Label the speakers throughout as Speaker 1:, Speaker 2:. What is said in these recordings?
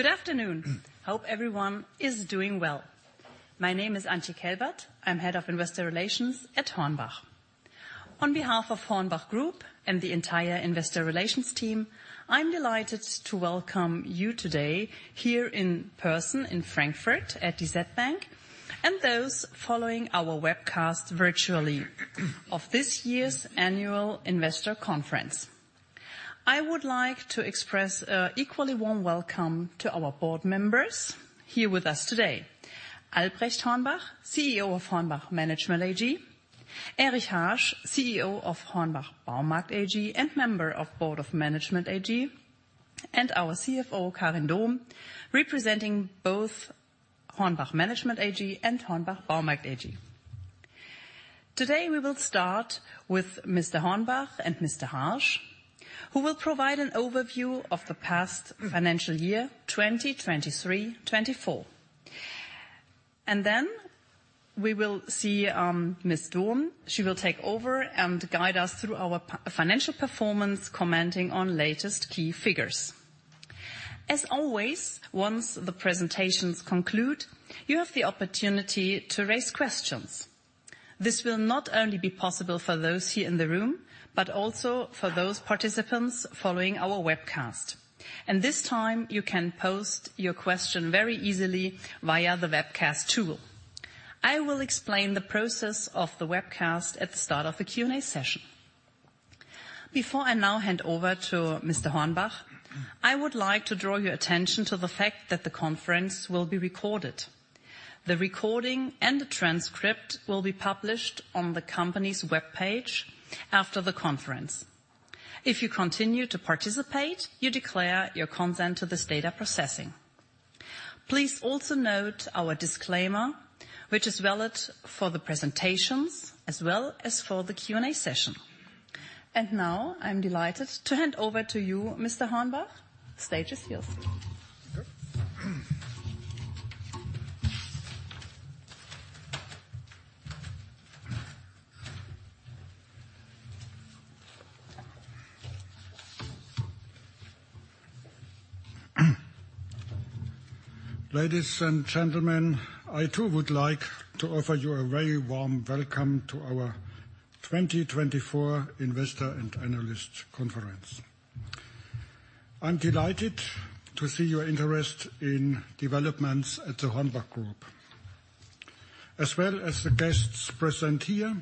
Speaker 1: Good afternoon. Hope everyone is doing well. My name is Antje Kelbert. I'm Head of Investor Relations at HORNBACH. On behalf of HORNBACH Group and the entire Investor Relations team, I'm delighted to welcome you today here in person, in Frankfurt, at DZ Bank, and those following our webcast virtually of this year's Annual Investor Conference. I would like to express an equally warm welcome to our board members here with us today. Albrecht Hornbach, CEO of HORNBACH Management AG. Erich Harsch, CEO of HORNBACH Baumarkt AG, and Member of Board of Management AG. And our CFO, Karin Dohm, representing both HORNBACH Management AG and HORNBACH Baumarkt AG. Today, we will start with Mr. Hornbach and Mr. Harsch, who will provide an overview of the past financial year, 2023/2024. Then we will see Ms. Dohm. She will take over and guide us through our financial performance, commenting on latest key figures. As always, once the presentations conclude, you have the opportunity to raise questions. This will not only be possible for those here in the room, but also for those participants following our webcast. And this time, you can post your question very easily via the webcast tool. I will explain the process of the webcast at the start of the Q&A session. Before I now hand over to Mr. Hornbach, I would like to draw your attention to the fact that the conference will be recorded. The recording and the transcript will be published on the company's webpage after the conference. If you continue to participate, you declare your consent to this data processing. Please also note our disclaimer, which is valid for the presentations as well as for the Q&A session. Now, I'm delighted to hand over to you, Mr. Hornbach. The stage is yours.
Speaker 2: Ladies and gentlemen, I, too, would like to offer you a very warm welcome to our 2024 Investor and Analyst Conference. I'm delighted to see your interest in developments at the HORNBACH Group. As well as the guests present here,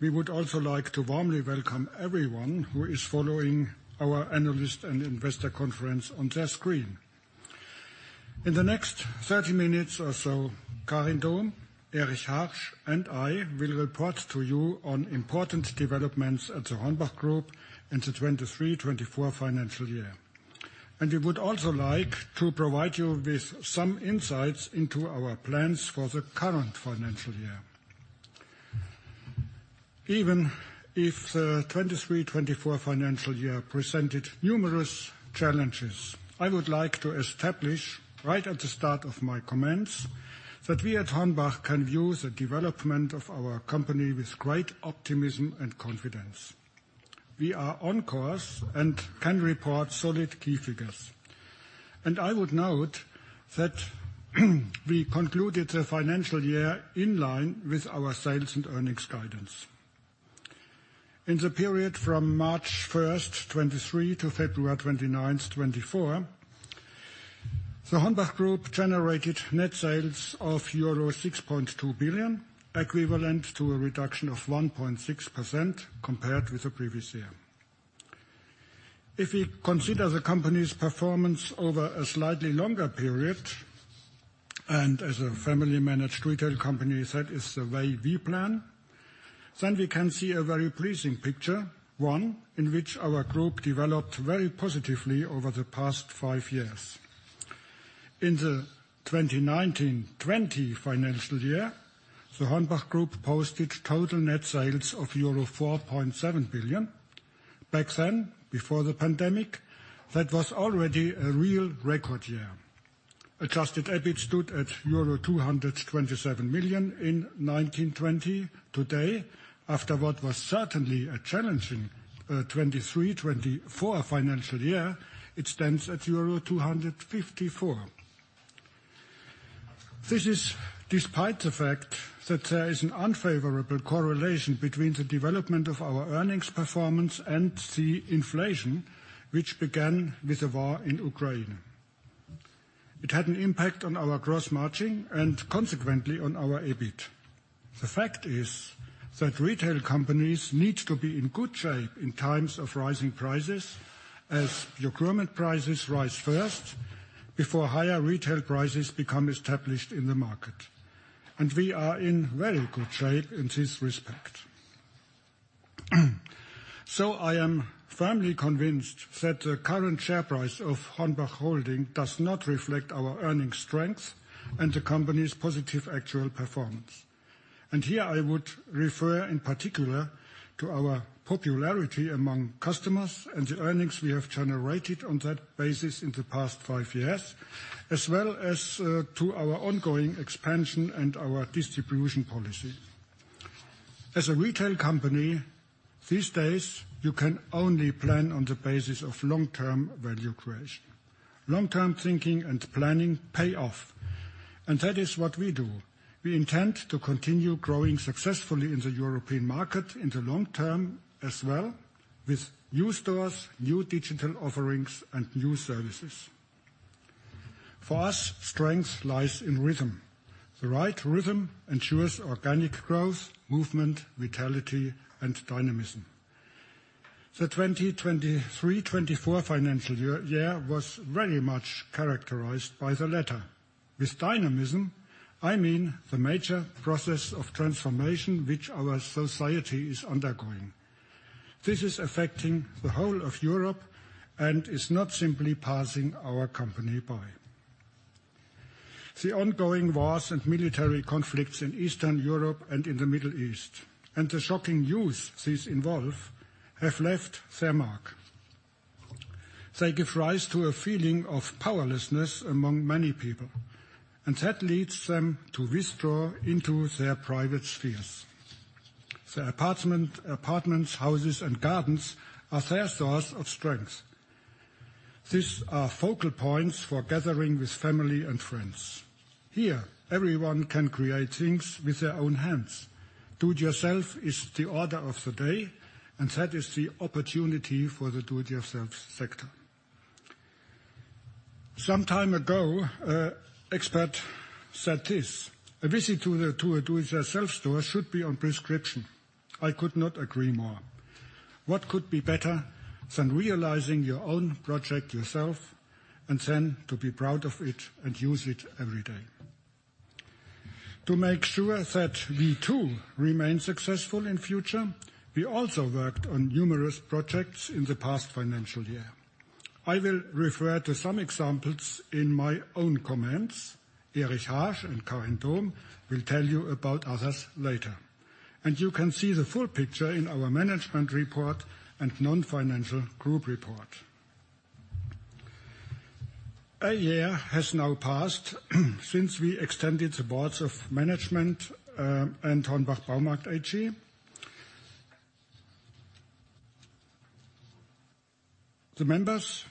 Speaker 2: we would also like to warmly welcome everyone who is following our Analyst and Investor Conference on their screen. In the next 30 minutes or so, Karin Dohm, Erich Harsch, and I will report to you on important developments at the HORNBACH Group in the 2023/2024 financial year. We would also like to provide you with some insights into our plans for the current financial year. Even if the 2023/2024 financial year presented numerous challenges, I would like to establish, right at the start of my comments, that we at HORNBACH can view the development of our company with great optimism and confidence. We are on course and can report solid key figures, and I would note that we concluded the financial year in line with our sales and earnings guidance. In the period from March 1st, 2023, to February 29th, 2024, the HORNBACH Group generated net sales of euro 6.2 billion, equivalent to a reduction of 1.6% compared with the previous year. If we consider the company's performance over a slightly longer period, and as a family-managed retail company, that is the way we plan, then we can see a very pleasing picture, one in which our group developed very positively over the past five years. In the 2019/2020 financial year, the HORNBACH Group posted total net sales of euro 4.7 billion. Back then, before the pandemic, that was already a real record year. Adjusted EBIT stood at euro 227 million in 2019/2020. Today, after what was certainly a challenging 2023/2024 financial year, it stands at euro 254 million. This is despite the fact that there is an unfavorable correlation between the development of our earnings performance and the inflation, which began with the war in Ukraine. It had an impact on our gross margin and consequently on our EBIT. The fact is that retail companies need to be in good shape in times of rising prices, as procurement prices rise first before higher retail prices become established in the market, and we are in very good shape in this respect. So I am firmly convinced that the current share price of HORNBACH Holding does not reflect our earnings strength and the company's positive actual performance. Here, I would refer in particular to our popularity among customers and the earnings we have generated on that basis in the past five years, as well as to our ongoing expansion and our distribution policy. As a retail company, these days, you can only plan on the basis of long-term value creation. Long-term thinking and planning pay off, and that is what we do. We intend to continue growing successfully in the European market in the long-term as well, with new stores, new digital offerings, and new services. For us, strength lies in rhythm. The right rhythm ensures organic growth, movement, vitality, and dynamism. The 2023/2024 financial year was very much characterized by the latter. With dynamism, I mean the major process of transformation which our society is undergoing. This is affecting the whole of Europe and is not simply passing our company by. The ongoing wars and military conflicts in Eastern Europe and in the Middle East, and the shocking news these involve, have left their mark. They give rise to a feeling of powerlessness among many people, and that leads them to withdraw into their private spheres. Their apartment, apartments, houses, and gardens are their source of strength. These are focal points for gathering with family and friends. Here, everyone can create things with their own hands. Do-it-yourself is the order of the day, and that is the opportunity for the do-it-yourself sector. Some time ago, an expert said this: "A visit to a do-it-yourself store should be on prescription." I could not agree more. What could be better than realizing your own project yourself, and then to be proud of it and use it every day? To make sure that we, too, remain successful in future, we also worked on numerous projects in the past financial year. I will refer to some examples in my own comments. Erich Harsch and Karin Dohm will tell you about others later, and you can see the full picture in our management report and non-financial group report. A year has now passed, since we extended the Boards of Management and HORNBACH Baumarkt AG. The members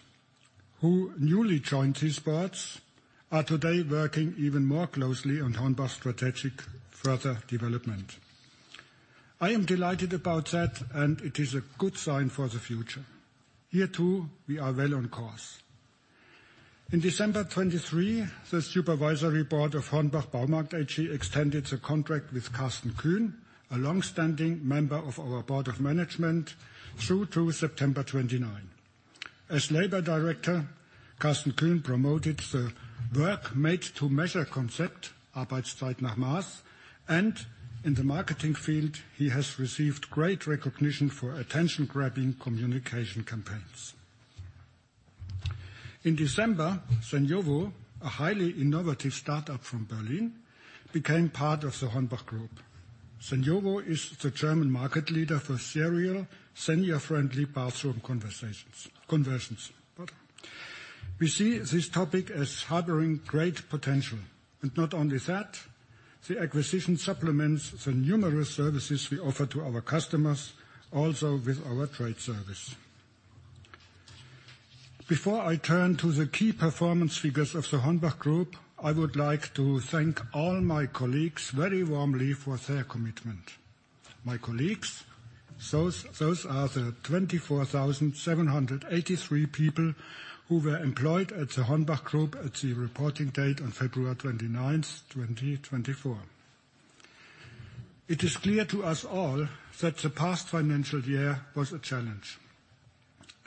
Speaker 2: who newly joined these boards are today working even more closely on HORNBACH strategic further development. I am delighted about that, and it is a good sign for the future. Here, too, we are well on course. In December 2023, the supervisory board of HORNBACH Baumarkt AG extended the contract with Karsten Kühn, a long-standing member of our board of management, through to September 2029. As labor director, Karsten Kühn promoted the work made-to-measure concept, Arbeitszeit nach Maß, and in the marketing field, he has received great recognition for attention-grabbing communication campaigns. In December, Seniovo, a highly innovative start-up from Berlin, became part of the HORNBACH Group. Seniovo is the German market leader for serial, senior-friendly bathroom conversions. We see this topic as harboring great potential. And not only that, the acquisition supplements the numerous services we offer to our customers, also with our HORNBACH Trade Service. Before I turn to the key performance figures of the HORNBACH Group, I would like to thank all my colleagues very warmly for their commitment. My colleagues, those, those are the 24,783 people who were employed at the HORNBACH Group at the reporting date on February 29, 2024. It is clear to us all that the past financial year was a challenge,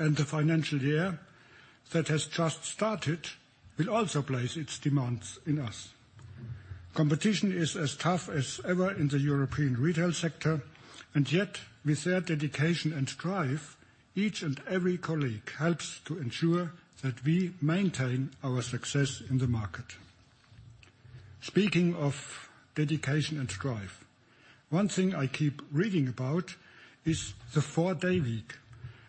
Speaker 2: and the financial year that has just started will also place its demands in us. Competition is as tough as ever in the European retail sector, and yet, with their dedication and strive, each and every colleague helps to ensure that we maintain our success in the market. Speaking of dedication and strive, one thing I keep reading about is the four-day week,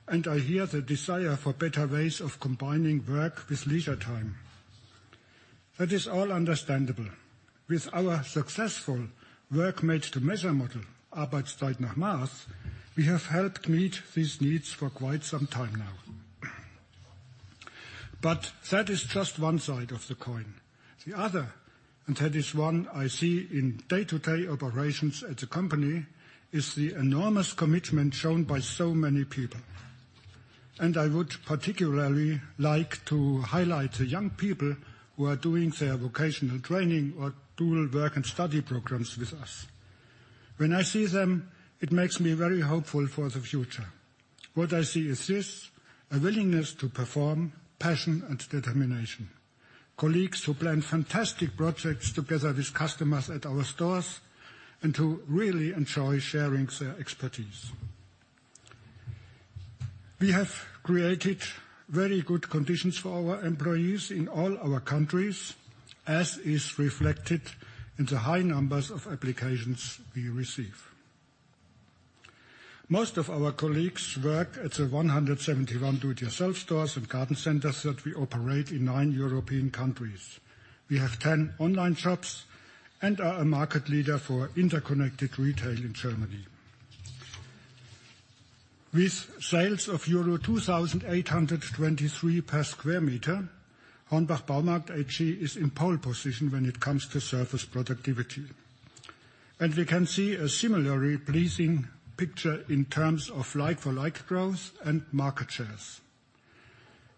Speaker 2: and I hear the desire for better ways of combining work with leisure time. That is all understandable. With our successful work made-to-measure model, Arbeitszeit nach Maß, we have helped meet these needs for quite some time now. But that is just one side of the coin. The other, and that is one I see in day-to-day operations at the company, is the enormous commitment shown by so many people. I would particularly like to highlight the young people who are doing their vocational training or dual work and study programs with us. When I see them, it makes me very hopeful for the future. What I see is this: a willingness to perform, passion, and determination. Colleagues who plan fantastic projects together with customers at our stores, and who really enjoy sharing their expertise. We have created very good conditions for our employees in all our countries, as is reflected in the high numbers of applications we receive. Most of our colleagues work at the 171 do-it-yourself stores and garden centers that we operate in nine European countries. We have 10 online shops, and are a market leader for interconnected retail in Germany. With sales of euro 2,823 per square metre, HORNBACH Baumarkt AG is in pole position when it comes to surface productivity. We can see a similarly pleasing picture in terms of like-for-like growth and market shares.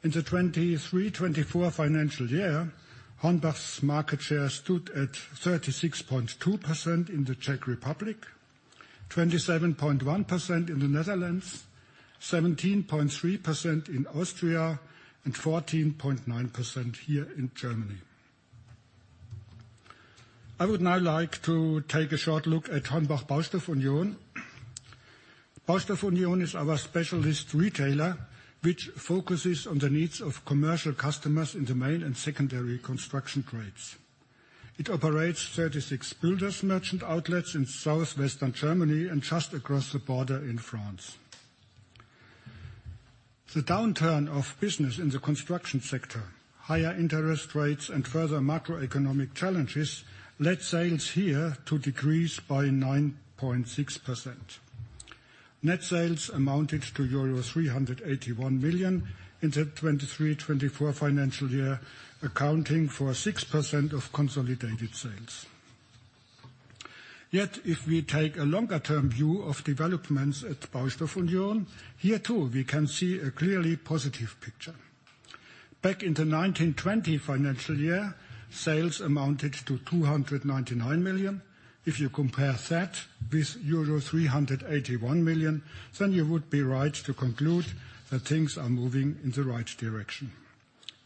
Speaker 2: In the 2023/2024 financial year, HORNBACH's market share stood at 36.2% in the Czech Republic, 27.1% in the Netherlands, 17.3% in Austria, and 14.9% here in Germany. I would now like to take a short look at HORNBACH Baustoff Union. Baustoff Union is our specialist retailer, which focuses on the needs of commercial customers in the main and secondary construction trades. It operates 36 builders' merchant outlets in southwestern Germany and just across the border in France. The downturn of business in the construction sector, higher interest rates, and further macroeconomic challenges, led sales here to decrease by 9.6%. Net sales amounted to euro 381 million in the 2023/2024 financial financial year, accounting for 6% of consolidated sales. Yet, if we take a longer-term view of developments at Baustoff Union, here, too, we can see a clearly positive picture. Back in the 2019/2020 financial year, sales amounted to 299 million. If you compare that with euro 381 million, then you would be right to conclude that things are moving in the right direction.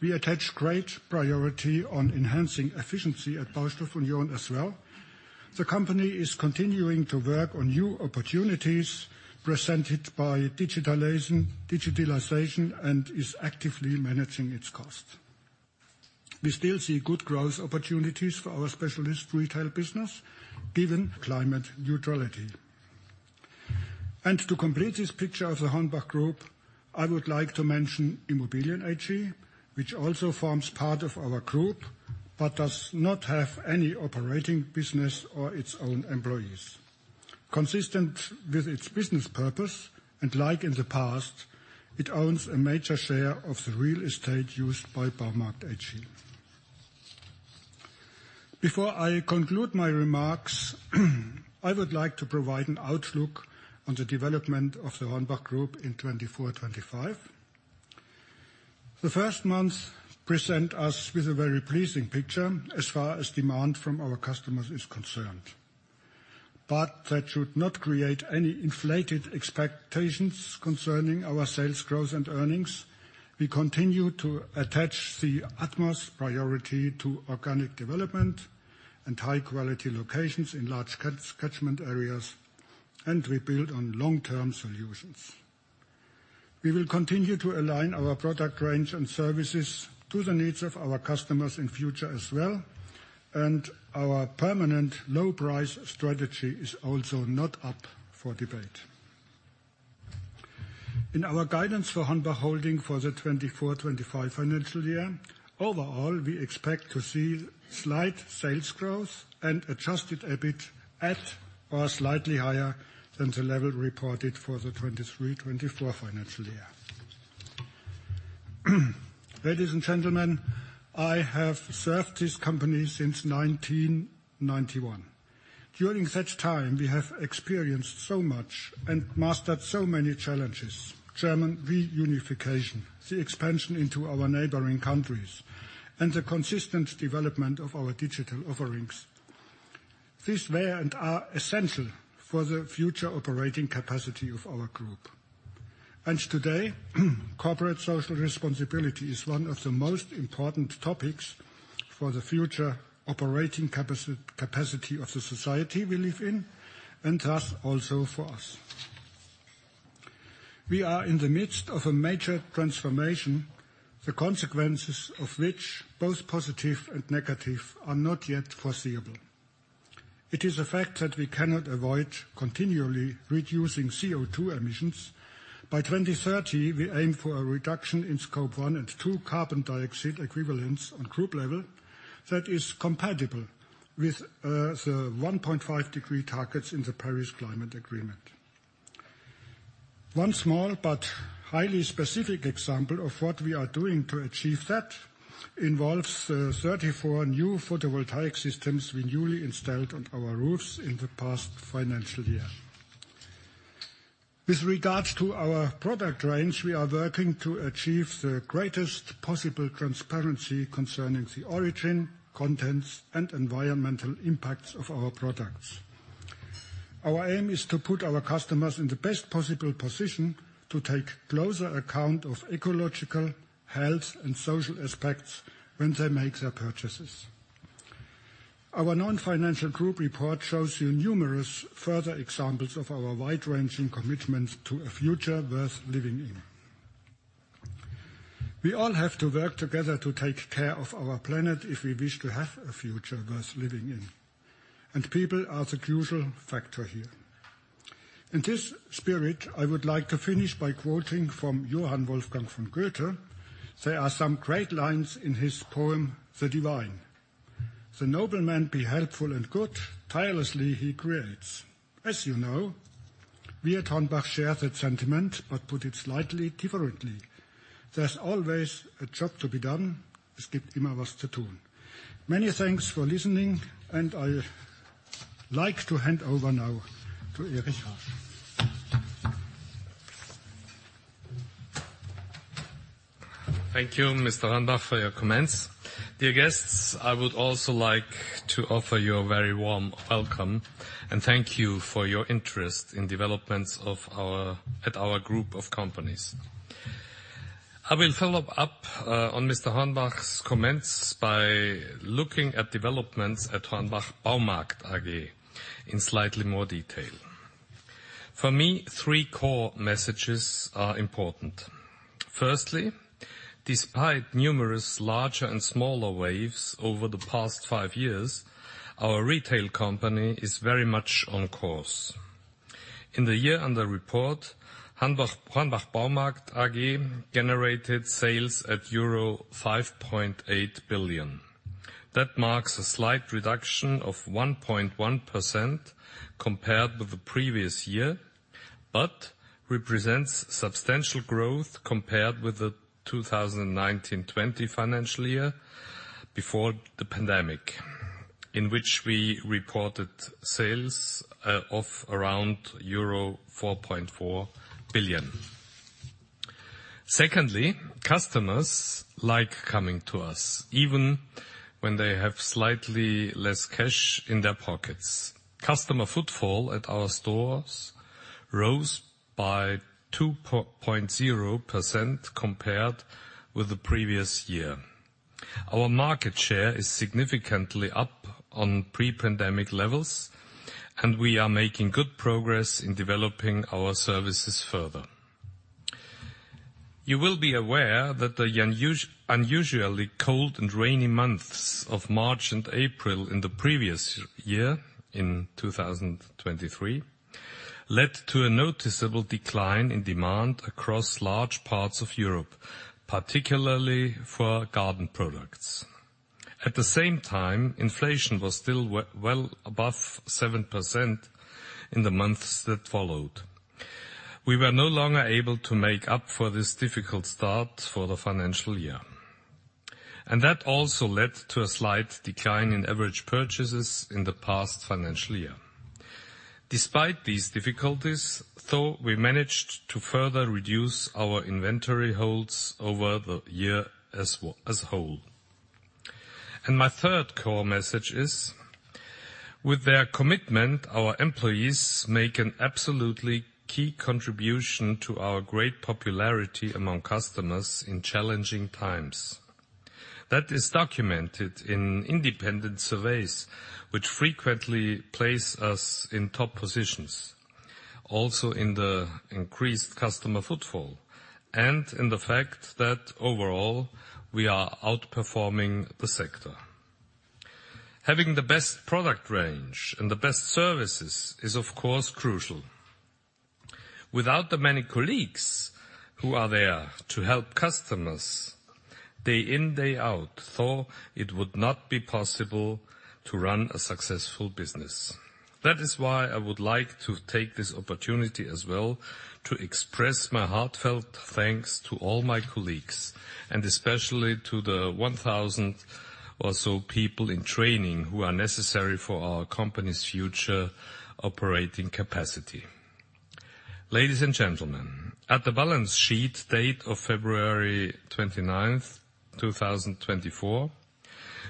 Speaker 2: We attach great priority on enhancing efficiency at Baustoff Union as well. The company is continuing to work on new opportunities presented by digitalization, digitalization, and is actively managing its cost. We still see good growth opportunities for our specialist retail business, given climate neutrality. To complete this picture of the HORNBACH Group, I would like to mention Immobilien AG, which also forms part of our group, but does not have any operating business or its own employees. Consistent with its business purpose, and like in the past, it owns a major share of the real estate used by Baumarkt AG. Before I conclude my remarks, I would like to provide an outlook on the development of the HORNBACH Group in 2024/2025. The first months present us with a very pleasing picture, as far as demand from our customers is concerned. But that should not create any inflated expectations concerning our sales growth and earnings. We continue to attach the utmost priority to organic development and high-quality locations in large catch, catchment areas, and we build on long-term solutions. We will continue to align our product range and services to the needs of our customers in future as well, and our permanent low-price strategy is also not up for debate. In our guidance for HORNBACH Holding for the 2024/2025 financial year, overall, we expect to see slight sales growth and adjusted EBIT at or slightly higher than the level reported for the 2023/24 financial year. Ladies and gentlemen, I have served this company since 1991. During that time, we have experienced so much and mastered so many challenges: German reunification, the expansion into our neighboring countries, and the consistent development of our digital offerings. These were and are essential for the future operating capacity of our group. Today, corporate social responsibility is one of the most important topics for the future operating capacity of the society we live in, and thus, also for us. We are in the midst of a major transformation, the consequences of which, both positive and negative, are not yet foreseeable. It is a fact that we cannot avoid continually reducing CO₂ emissions. By 2030, we aim for a reduction in Scope 1 and 2 carbon dioxide equivalents on group level that is compatible with the 1.5-degree targets in the Paris Climate Agreement. One small but highly specific example of what we are doing to achieve that involves the 34 new photovoltaic systems we newly installed on our roofs in the past financial year. With regards to our product range, we are working to achieve the greatest possible transparency concerning the origin, contents, and environmental impacts of our products. Our aim is to put our customers in the best possible position to take closer account of ecological, health, and social aspects when they make their purchases. Our non-financial group report shows you numerous further examples of our wide-ranging commitment to a future worth living in. We all have to work together to take care of our planet if we wish to have a future worth living in, and people are the crucial factor here. In this spirit, I would like to finish by quoting from Johann Wolfgang von Goethe. There are some great lines in his poem, The Divine. "The noble man be helpful and good, tirelessly he creates." As you know, we at HORNBACH share that sentiment, but put it slightly differently. There's always a job to be done. Many thanks for listening, and I'd like to hand over now to Erich Harsch.
Speaker 3: Thank you, Mr. Hornbach, for your comments. Dear guests, I would also like to offer you a very warm welcome, and thank you for your interest in developments of our at our group of companies. I will follow up on Mr. Hornbach's comments by looking at developments at HORNBACH Baumarkt AG in slightly more detail. For me, three core messages are important. Firstly, despite numerous larger and smaller waves over the past five years, our retail company is very much on course. In the year under report, Hornbach, HORNBACH Baumarkt AG, generated sales at euro 5.8 billion. That marks a slight reduction of 1.1% compared with the previous year, but represents substantial growth compared with the 2019/2020 financial year, before the pandemic, in which we reported sales of around euro 4.4 billion. Secondly, customers like coming to us, even when they have slightly less cash in their pockets. Customer footfall at our stores rose by 2.0% compared with the previous year. Our market share is significantly up on pre-pandemic levels, and we are making good progress in developing our services further. You will be aware that the unusually cold and rainy months of March and April in the previous year, in 2023, led to a noticeable decline in demand across large parts of Europe, particularly for garden products. At the same time, inflation was still well above 7% in the months that followed. We were no longer able to make up for this difficult start for the financial year, and that also led to a slight decline in average purchases in the past financial year. Despite these difficulties, though, we managed to further reduce our inventory holds over the year as a whole. And my third core message is, with their commitment, our employees make an absolutely key contribution to our great popularity among customers in challenging times. That is documented in independent surveys, which frequently place us in top positions, also in the increased customer footfall, and in the fact that overall, we are outperforming the sector. Having the best product range and the best services is, of course, crucial. Without the many colleagues who are there to help customers day in, day out, though, it would not be possible to run a successful business. That is why I would like to take this opportunity as well to express my heartfelt thanks to all my colleagues, and especially to the 1,000 or so people in training who are necessary for our company's future operating capacity. Ladies and gentlemen, at the balance sheet date of February 29, 2024,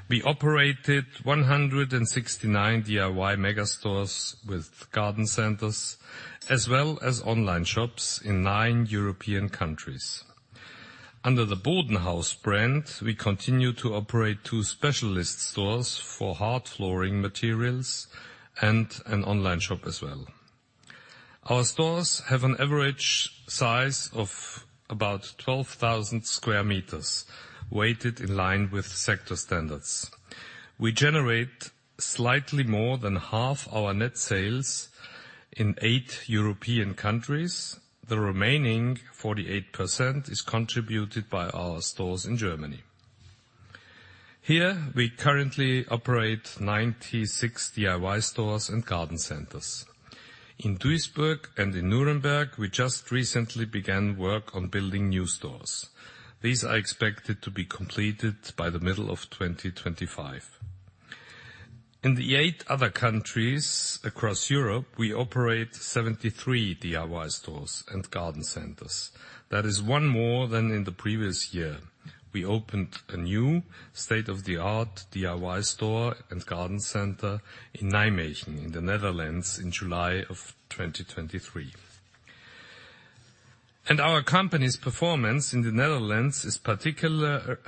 Speaker 3: we operated 169 DIY megastores with garden centers, as well as online shops in 9 European countries. Under the BODENHAUS brand, we continue to operate 2 specialist stores for hard flooring materials and an online shop as well. Our stores have an average size of about 12,000 square meters, weighted in line with sector standards. We generate slightly more than half our net sales in 8 European countries. The remaining 48% is contributed by our stores in Germany. Here, we currently operate 96 DIY stores and garden centers. In Duisburg and in Nuremberg, we just recently began work on building new stores. These are expected to be completed by the middle of 2025. In the eight other countries across Europe, we operate 73 DIY stores and garden centers. That is one more than in the previous year. We opened a new state-of-the-art DIY store and garden center in Nijmegen, in the Netherlands, in July of 2023. And our company's performance in the Netherlands is particular,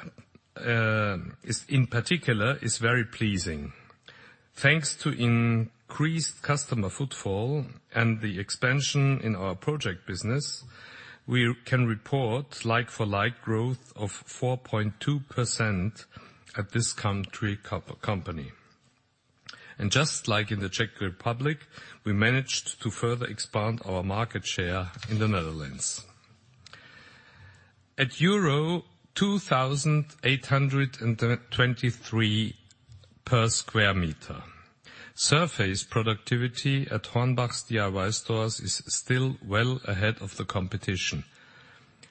Speaker 3: is in particular, is very pleasing. Thanks to increased customer footfall and the expansion in our project business, we can report like-for-like growth of 4.2% at this country company. And just like in the Czech Republic, we managed to further expand our market share in the Netherlands. At euro 2,823 per square meter, surface productivity at HORNBACH's DIY stores is still well ahead of the competition.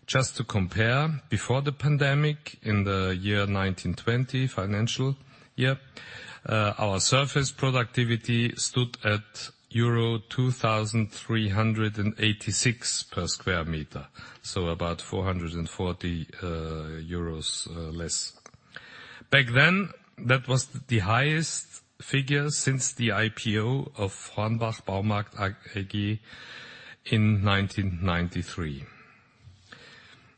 Speaker 3: Just to compare, before the pandemic, in the year 2019/2020 financial year, our surface productivity stood at euro 2,386 per square meter, so about 440 euros less. Back then, that was the highest figure since the IPO of HORNBACH Baumarkt AG in 1993.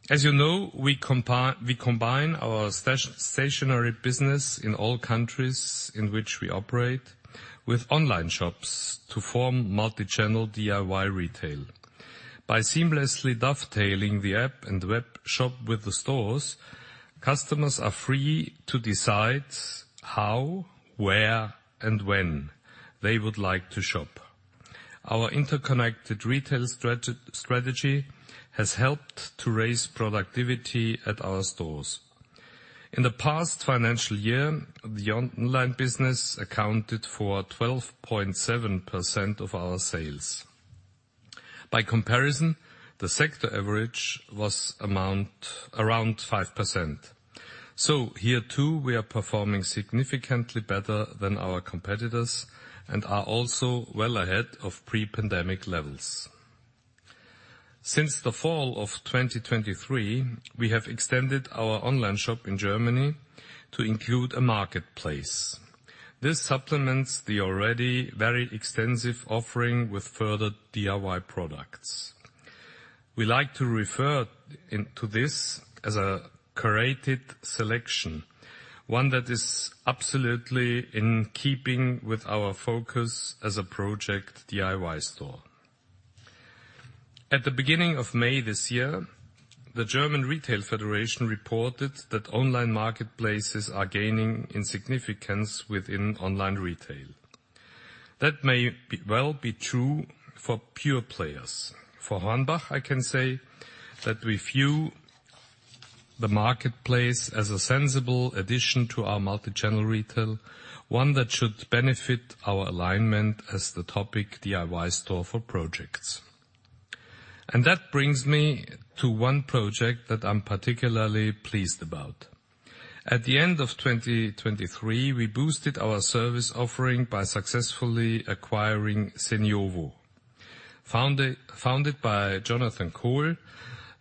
Speaker 3: As you know, we combine our stationary business in all countries in which we operate, with online shops to form multi-channel DIY retail. By seamlessly dovetailing the app and web shop with the stores, customers are free to decide how, where, and when they would like to shop. Our interconnected retail strategy has helped to raise productivity at our stores. In the past financial year, the online business accounted for 12.7% of our sales. By comparison, the sector average was around 5%. So here, too, we are performing significantly better than our competitors and are also well ahead of pre-pandemic levels. Since the fall of 2023, we have extended our online shop in Germany to include a marketplace. This supplements the already very extensive offering with further DIY products. We like to refer to this as a curated selection, one that is absolutely in keeping with our focus as a project DIY store. At the beginning of May this year, the German Retail Federation reported that online marketplaces are gaining in significance within online retail. That may be well be true for pure players. For HORNBACH, I can say that we view the marketplace as a sensible addition to our multi-channel retail, one that should benefit our alignment as the topic DIY store for projects. And that brings me to one project that I'm particularly pleased about. At the end of 2023, we boosted our service offering by successfully acquiring Seniovo. Founded by Jonathan Kohl,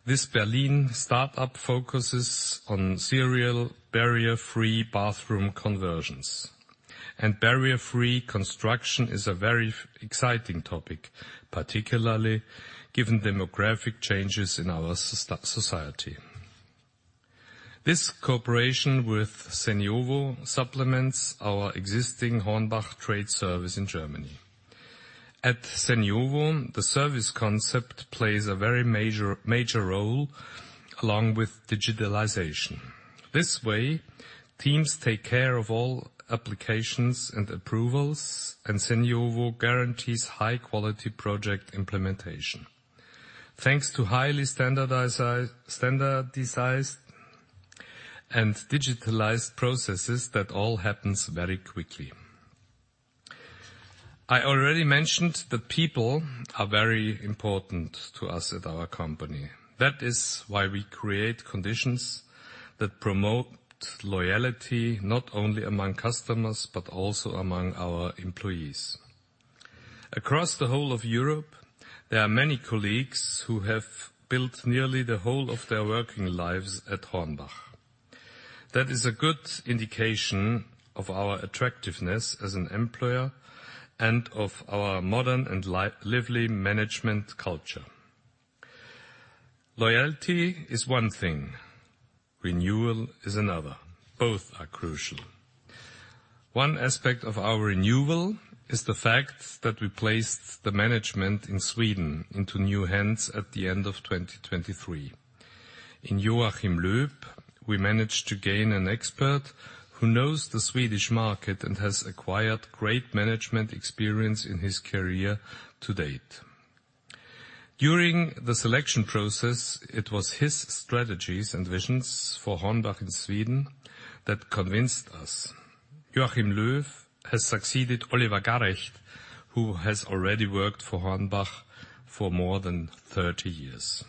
Speaker 3: this Berlin start-up focuses on serial barrier-free bathroom conversions, and barrier-free construction is a very exciting topic, particularly given demographic changes in our society. This cooperation with Seniovo supplements our existing HORNBACH trade service in Germany. At Seniovo, the service concept plays a very major role, along with digitalization. This way, teams take care of all applications and approvals, and Seniovo guarantees high-quality project implementation. Thanks to highly standardized and digitalized processes, that all happens very quickly. I already mentioned that people are very important to us at our company. That is why we create conditions that promote loyalty, not only among customers, but also among our employees. Across the whole of Europe, there are many colleagues who have built nearly the whole of their working lives at HORNBACH. That is a good indication of our attractiveness as an employer and of our modern and lively management culture. Loyalty is one thing, renewal is another. Both are crucial. One aspect of our renewal is the fact that we placed the management in Sweden into new hands at the end of 2023. In Joachim Löw, we managed to gain an expert who knows the Swedish market and has acquired great management experience in his career to date. During the selection process, it was his strategies and visions for HORNBACH in Sweden that convinced us. Joachim Löw has succeeded Oliver Garrecht, who has already worked for HORNBACH for more than 30 years.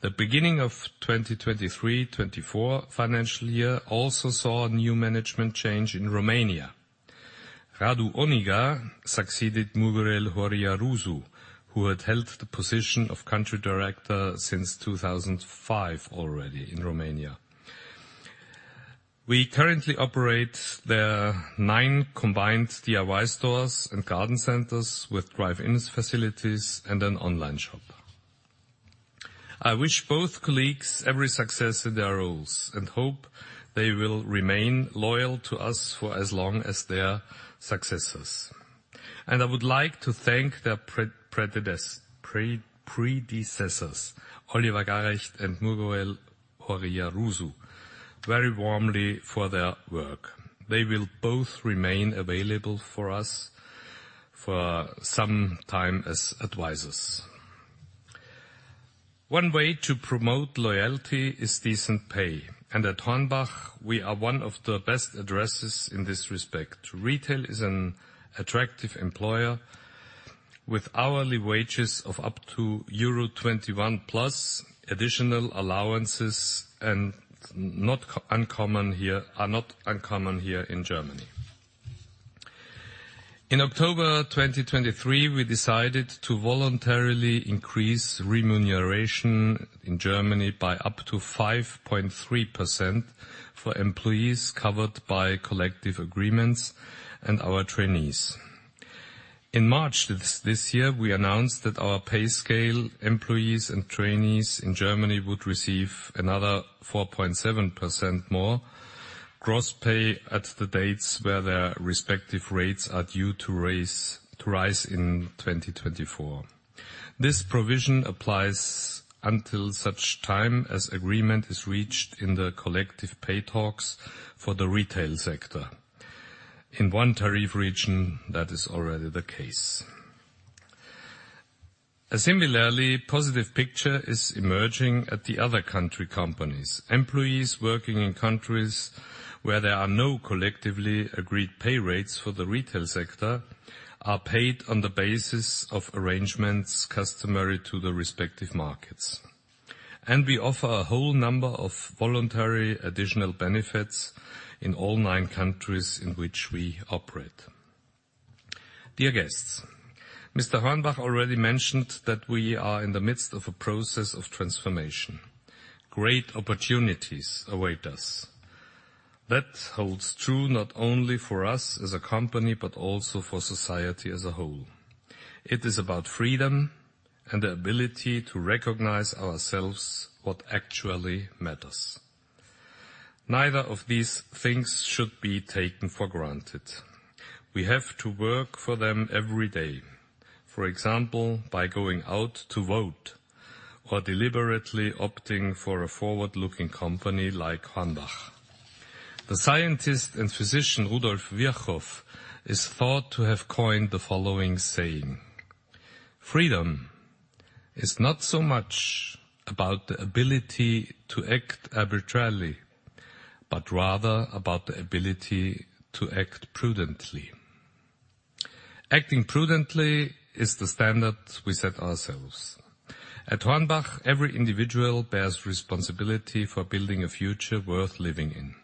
Speaker 3: The beginning of the 2023-24 financial year also saw a new management change in Romania. Radu Oniga succeeded Mugurel-Horia Rusu, who had held the position of country director since 2005 already in Romania. We currently operate the nine combined DIY stores and garden centers with drive-in facilities and an online shop.... I wish both colleagues every success in their roles, and hope they will remain loyal to us for as long as their successors. I would like to thank their predecessors, Oliver Garrecht and Mugurel-Horia Rusu, very warmly for their work. They will both remain available for us for some time as advisors. One way to promote loyalty is decent pay, and at HORNBACH, we are one of the best addresses in this respect. Retail is an attractive employer with hourly wages of up to euro 21+, additional allowances, and not uncommon here in Germany. In October 2023, we decided to voluntarily increase remuneration in Germany by up to 5.3% for employees covered by collective agreements and our trainees. In March this year, we announced that our pay scale employees and trainees in Germany would receive another 4.7% more gross pay at the dates where their respective rates are due to rise in 2024. This provision applies until such time as agreement is reached in the collective pay talks for the retail sector. In one tariff region, that is already the case. A similarly positive picture is emerging at the other country companies. Employees working in countries where there are no collectively agreed pay rates for the retail sector, are paid on the basis of arrangements customary to the respective markets. We offer a whole number of voluntary additional benefits in all nine countries in which we operate. Dear guests, Mr. Hornbach already mentioned that we are in the midst of a process of transformation. Great opportunities await us. That holds true not only for us as a company, but also for society as a whole. It is about freedom and the ability to recognize ourselves what actually matters. Neither of these things should be taken for granted. We have to work for them every day. For example, by going out to vote or deliberately opting for a forward-looking company like HORNBACH. The scientist and physician, Rudolf Virchow, is thought to have coined the following saying: "Freedom is not so much about the ability to act arbitrarily, but rather about the ability to act prudently." Acting prudently is the standard we set ourselves. At HORNBACH, every individual bears responsibility for building a future worth living in.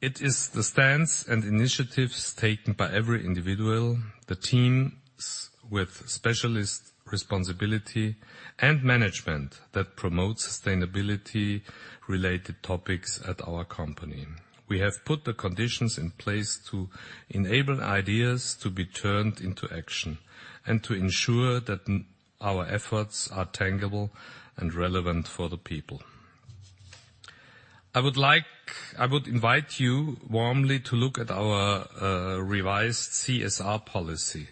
Speaker 3: It is the stance and initiatives taken by every individual, the teams with specialist responsibility and management, that promote sustainability-related topics at our company. We have put the conditions in place to enable ideas to be turned into action, and to ensure that our efforts are tangible and relevant for the people. I would invite you warmly to look at our revised CSR policy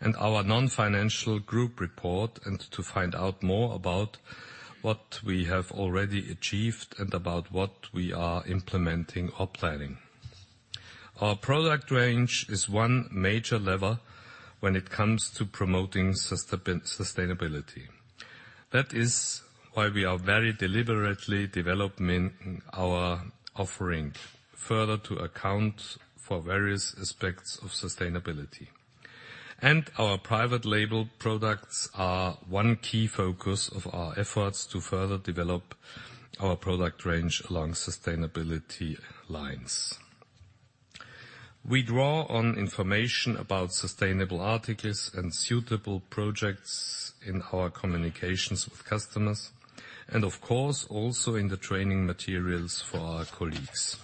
Speaker 3: and our non-financial group report, and to find out more about what we have already achieved, and about what we are implementing or planning. Our product range is one major lever when it comes to promoting sustainability. That is why we are very deliberately developing our offering further to account for various aspects of sustainability. Our private label products are one key focus of our efforts to further develop our product range along sustainability lines. We draw on information about sustainable articles and suitable projects in our communications with customers, and of course, also in the training materials for our colleagues.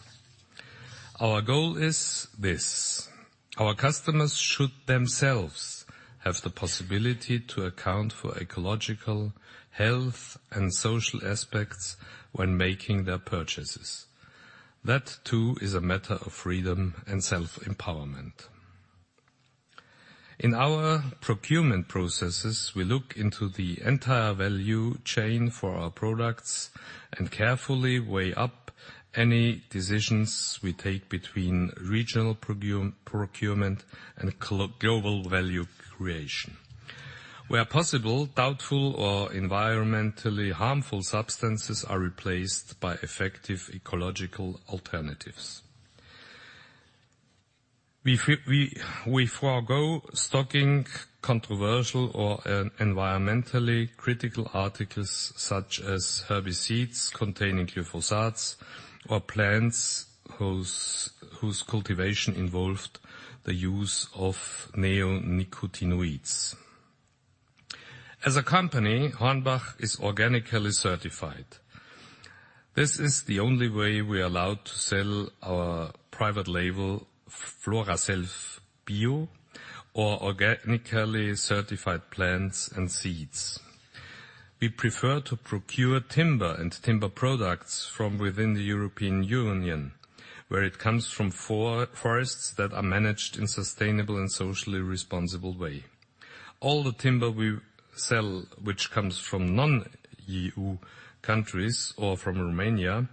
Speaker 3: Our goal is this: Our customers should themselves have the possibility to account for ecological, health, and social aspects when making their purchases. That, too, is a matter of freedom and self-empowerment. In our procurement processes, we look into the entire value chain for our products and carefully weigh up any decisions we take between regional procurement and global value creation. Where possible, doubtful or environmentally harmful substances are replaced by effective ecological alternatives. We forego stocking controversial or environmentally critical articles, such as herbicide seeds containing glyphosates, or plants whose cultivation involved the use of neonicotinoids. As a company, HORNBACH is organically certified. This is the only way we are allowed to sell our private label, FloraSelf Bio, or organically certified plants and seeds. We prefer to procure timber and timber products from within the European Union, from forests that are managed in sustainable and socially responsible way. All the timber we sell, which comes from non-EU countries or from Romania,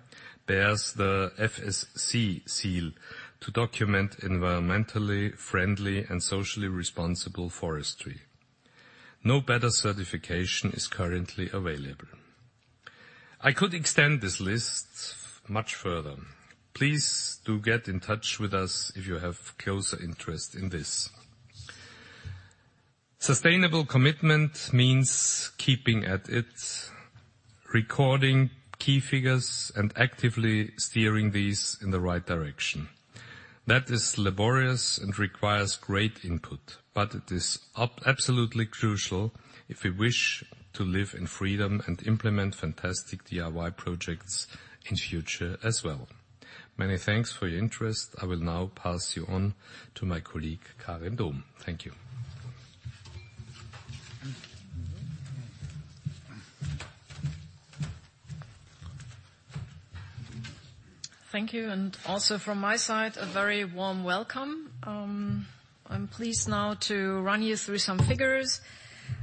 Speaker 3: bears the FSC seal to document environmentally friendly and socially responsible forestry. No better certification is currently available. I could extend this list much further. Please do get in touch with us if you have closer interest in this. Sustainable commitment means keeping at it, recording key figures, and actively steering these in the right direction. That is laborious and requires great input, but it is absolutely crucial if we wish to live in freedom and implement fantastic DIY projects in future as well. Many thanks for your interest. I will now pass you on to my colleague, Karin Dohm. Thank you.
Speaker 4: Thank you, and also from my side, a very warm welcome. I'm pleased now to run you through some figures,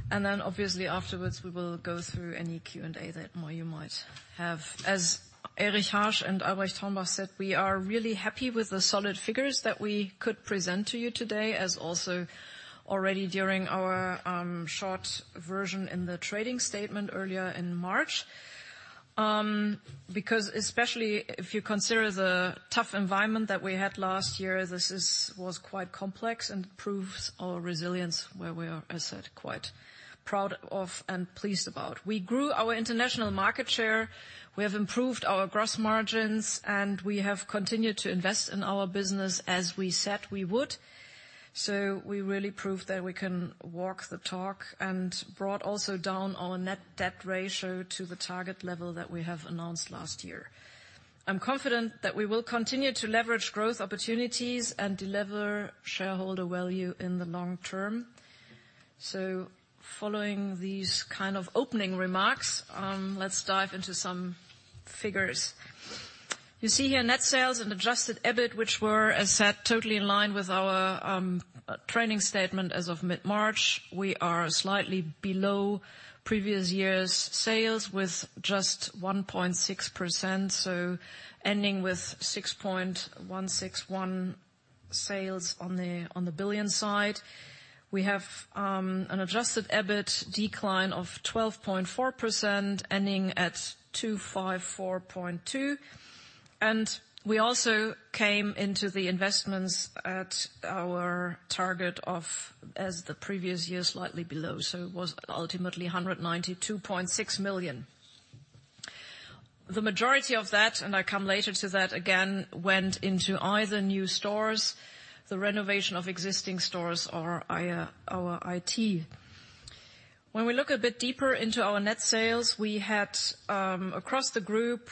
Speaker 4: and then obviously afterwards, we will go through any Q&A that more you might have. As Erich Harsch and Albrecht Hornbach said, we are really happy with the solid figures that we could present to you today, as also already during our short version in the trading statement earlier in March. Because especially if you consider the tough environment that we had last year, this was quite complex and proves our resilience, where we are, as said, quite proud of and pleased about. We grew our International market share, we have improved our gross margins, and we have continued to invest in our business as we said we would. So we really proved that we can walk the talk, and brought also down our net debt ratio to the target level that we have announced last year. I'm confident that we will continue to leverage growth opportunities and deliver shareholder value in the long-term. So following these kind of opening remarks, let's dive into some figures. You see here net sales and adjusted EBIT, which were, as said, totally in line with our trading statement as of mid-March. We are slightly below previous year's sales with just 1.6%, so ending with 6.161 billion sales on the billion side. We have an adjusted EBIT decline of 12.4%, ending at 254.2 million. We also came into the investments at our target of, as the previous year, slightly below, so it was ultimately 192.6 million. The majority of that, and I come later to that again, went into either new stores, the renovation of existing stores or our IT. When we look a bit deeper into our net sales, we had, across the group,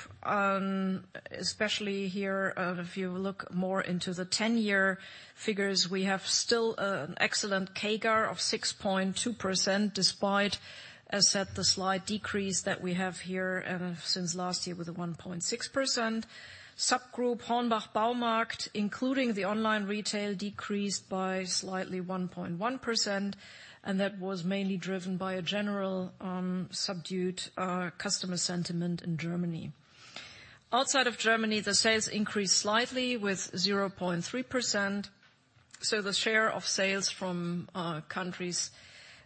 Speaker 4: especially here, if you look more into the 10-year figures, we have still an excellent CAGR of 6.2%, despite, as said, the slight decrease that we have here since last year with the 1.6%. Subgroup HORNBACH Baumarkt, including the online retail, decreased by slightly 1.1%, and that was mainly driven by a general subdued customer sentiment in Germany. Outside of Germany, the sales increased slightly with 0.3%, so the share of sales from countries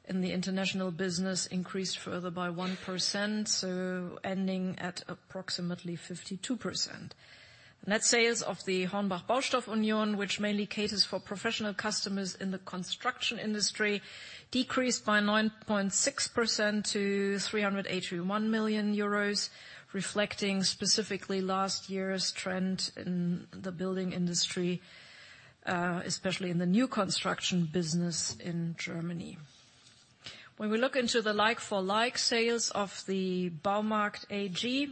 Speaker 4: in the international business increased further by 1%, so ending at approximately 52%. Net sales of the HORNBACH Baustoff Union, which mainly caters for professional customers in the construction industry, decreased by 9.6% to 381 million euros, reflecting specifically last year's trend in the building industry, especially in the new construction business in Germany. When we look into the like-for-like sales of the Baumarkt AG,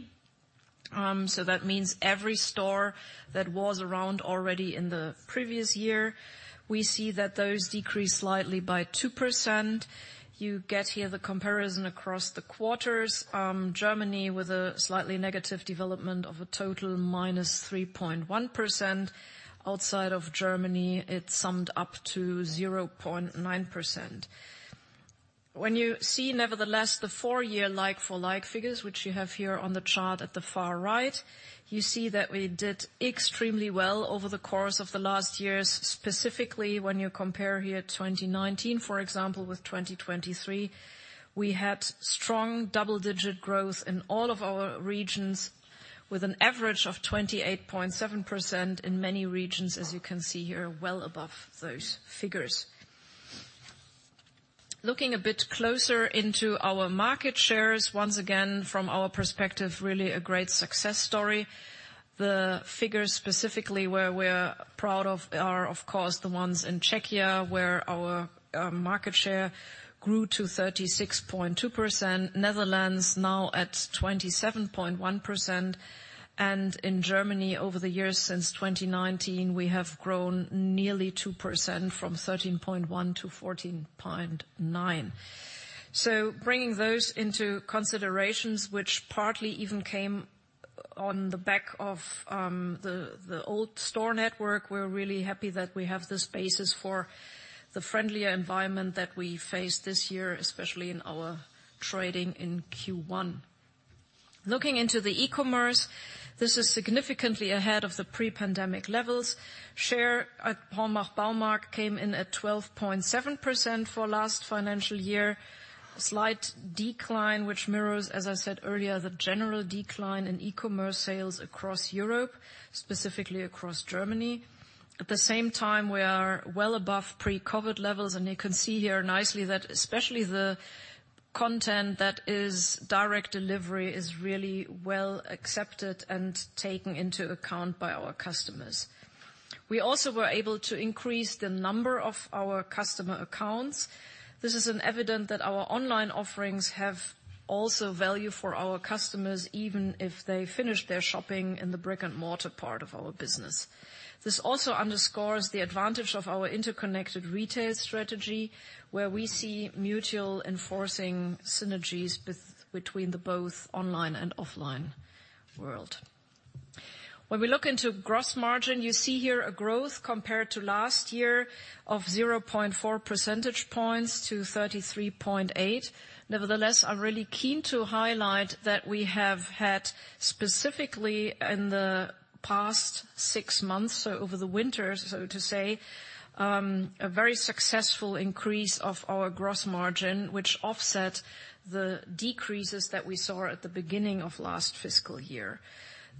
Speaker 4: so that means every store that was around already in the previous year, we see that those decreased slightly by 2%. You get here the comparison across the quarters. Germany, with a slightly negative development of a total -3.1%. Outside of Germany, it summed up to 0.9%. When you see, nevertheless, the four-year like-for-like figures, which you have here on the chart at the far right, you see that we did extremely well over the course of the last years, specifically when you compare here 2019, for example, with 2023. We had strong double-digit growth in all of our regions, with an average of 28.7% in many regions, as you can see here, well above those figures. Looking a bit closer into our market shares, once again, from our perspective, really a great success story. The figures specifically where we're proud of are, of course, the ones in Czechia, where our market share grew to 36.2%. Netherlands, now at 27.1%, and in Germany, over the years since 2019, we have grown nearly 2% from 13.1% to 14.9%. So bringing those into considerations, which partly even came on the back of the old store network, we're really happy that we have this basis for the friendlier environment that we face this year, especially in our trading in Q1. Looking into the e-commerce, this is significantly ahead of the pre-pandemic levels. Share at HORNBACH Baumarkt came in at 12.7% for last financial year. A slight decline, which mirrors, as I said earlier, the general decline in e-commerce sales across Europe, specifically across Germany. At the same time, we are well above pre-COVID levels, and you can see here nicely that especially the content that is direct delivery is really well accepted and taken into account by our customers. We also were able to increase the number of our customer accounts. This is evident that our online offerings have also value for our customers, even if they finish their shopping in the brick-and-mortar part of our business. This also underscores the advantage of our interconnected retail strategy, where we see mutual enforcing synergies between the both online and offline world. When we look into gross margin, you see here a growth compared to last year of 0.4% points to 33.8%. Nevertheless, I'm really keen to highlight that we have had, specifically in the past six months, so over the winter, so to say, a very successful increase of our gross margin, which offset the decreases that we saw at the beginning of last fiscal year.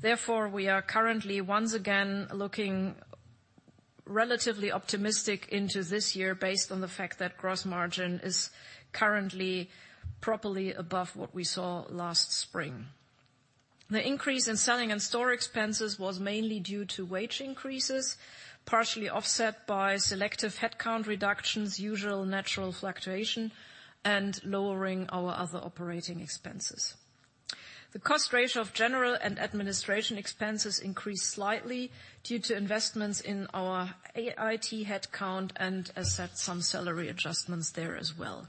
Speaker 4: Therefore, we are currently, once again, looking relatively optimistic into this year based on the fact that gross margin is currently properly above what we saw last spring. The increase in selling and store expenses was mainly due to wage increases, partially offset by selective headcount reductions, usual natural fluctuation, and lowering our other operating expenses. The cost ratio of general and administration expenses increased slightly due to investments in our AIT headcount and some salary adjustments there as well.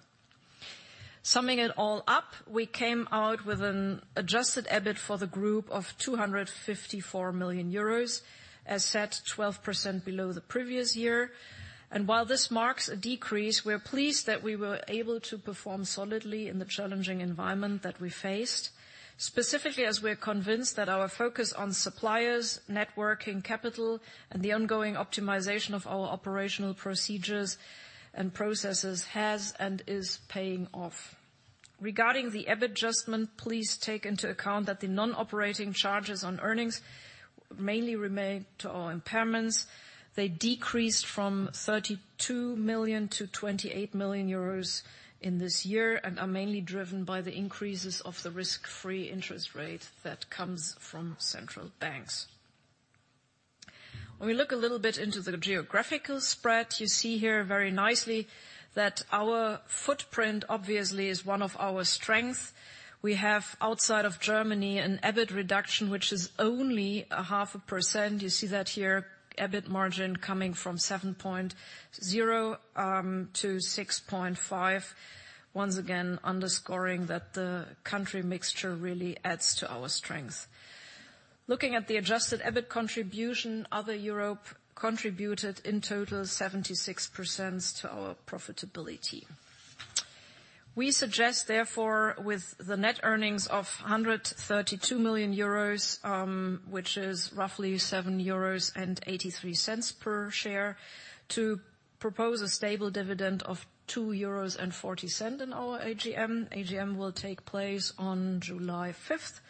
Speaker 4: Summing it all up, we came out with an adjusted EBIT for the group of 254 million euros, a set 12% below the previous year. While this marks a decrease, we are pleased that we were able to perform solidly in the challenging environment that we faced, specifically as we are convinced that our focus on suppliers, networking, capital, and the ongoing optimization of our operational procedures and processes has and is paying off. Regarding the EBIT adjustment, please take into account that the non-operating charges on earnings mainly remain to our impairments. They decreased from 32 million-28 million euros in this year and are mainly driven by the increases of the risk-free interest rate that comes from central banks. When we look a little bit into the geographical spread, you see here very nicely that our footprint, obviously, is one of our strength. We have, outside of Germany, an EBIT reduction, which is only 0.5%. You see that here, EBIT margin coming from 7.0% to 6.5%. Once again, underscoring that the country mixture really adds to our strength. Looking at the adjusted EBIT contribution, other Europe contributed, in total, 76% to our profitability. We suggest, therefore, with the net earnings of 132 million euros, which is roughly 7.83 euros per share, to propose a stable dividend of 2.40 euros in our AGM. AGM will take place on July 5th,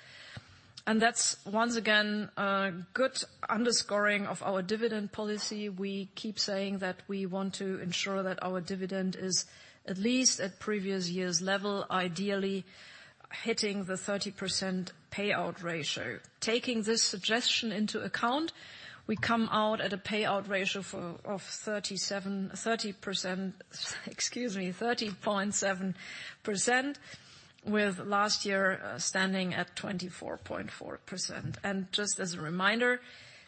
Speaker 4: and that's once again a good underscoring of our dividend policy. We keep saying that we want to ensure that our dividend is at least at previous year's level, ideally hitting the 30% payout ratio. Taking this suggestion into account, we come out at a payout ratio of 30.7%, excuse me, with last year standing at 24.4%. And just as a reminder,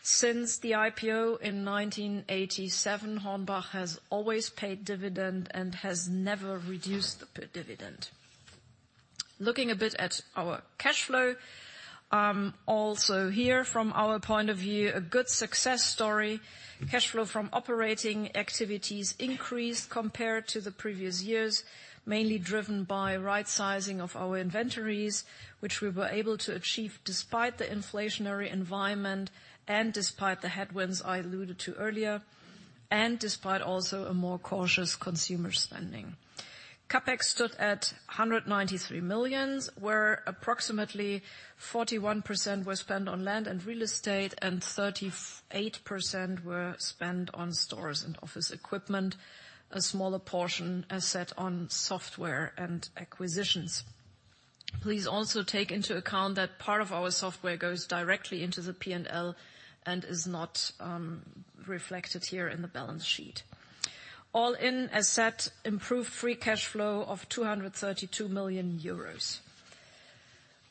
Speaker 4: since the IPO in 1987, HORNBACH has always paid dividend and has never reduced the dividend. Looking a bit at our cash flow, also here, from our point of view, a good success story. Cash flow from operating activities increased compared to the previous years, mainly driven by right-sizing of our inventories, which we were able to achieve despite the inflationary environment and despite the headwinds I alluded to earlier, and despite also a more cautious consumer spending. CapEx stood at 193 million, where approximately 41% was spent on land and real estate, and 38% were spent on stores and office equipment, a smaller portion asset on software and acquisitions. Please also take into account that part of our software goes directly into the P&L and is not, reflected here in the balance sheet. All in, as said, improved free cash flow of 232 million euros.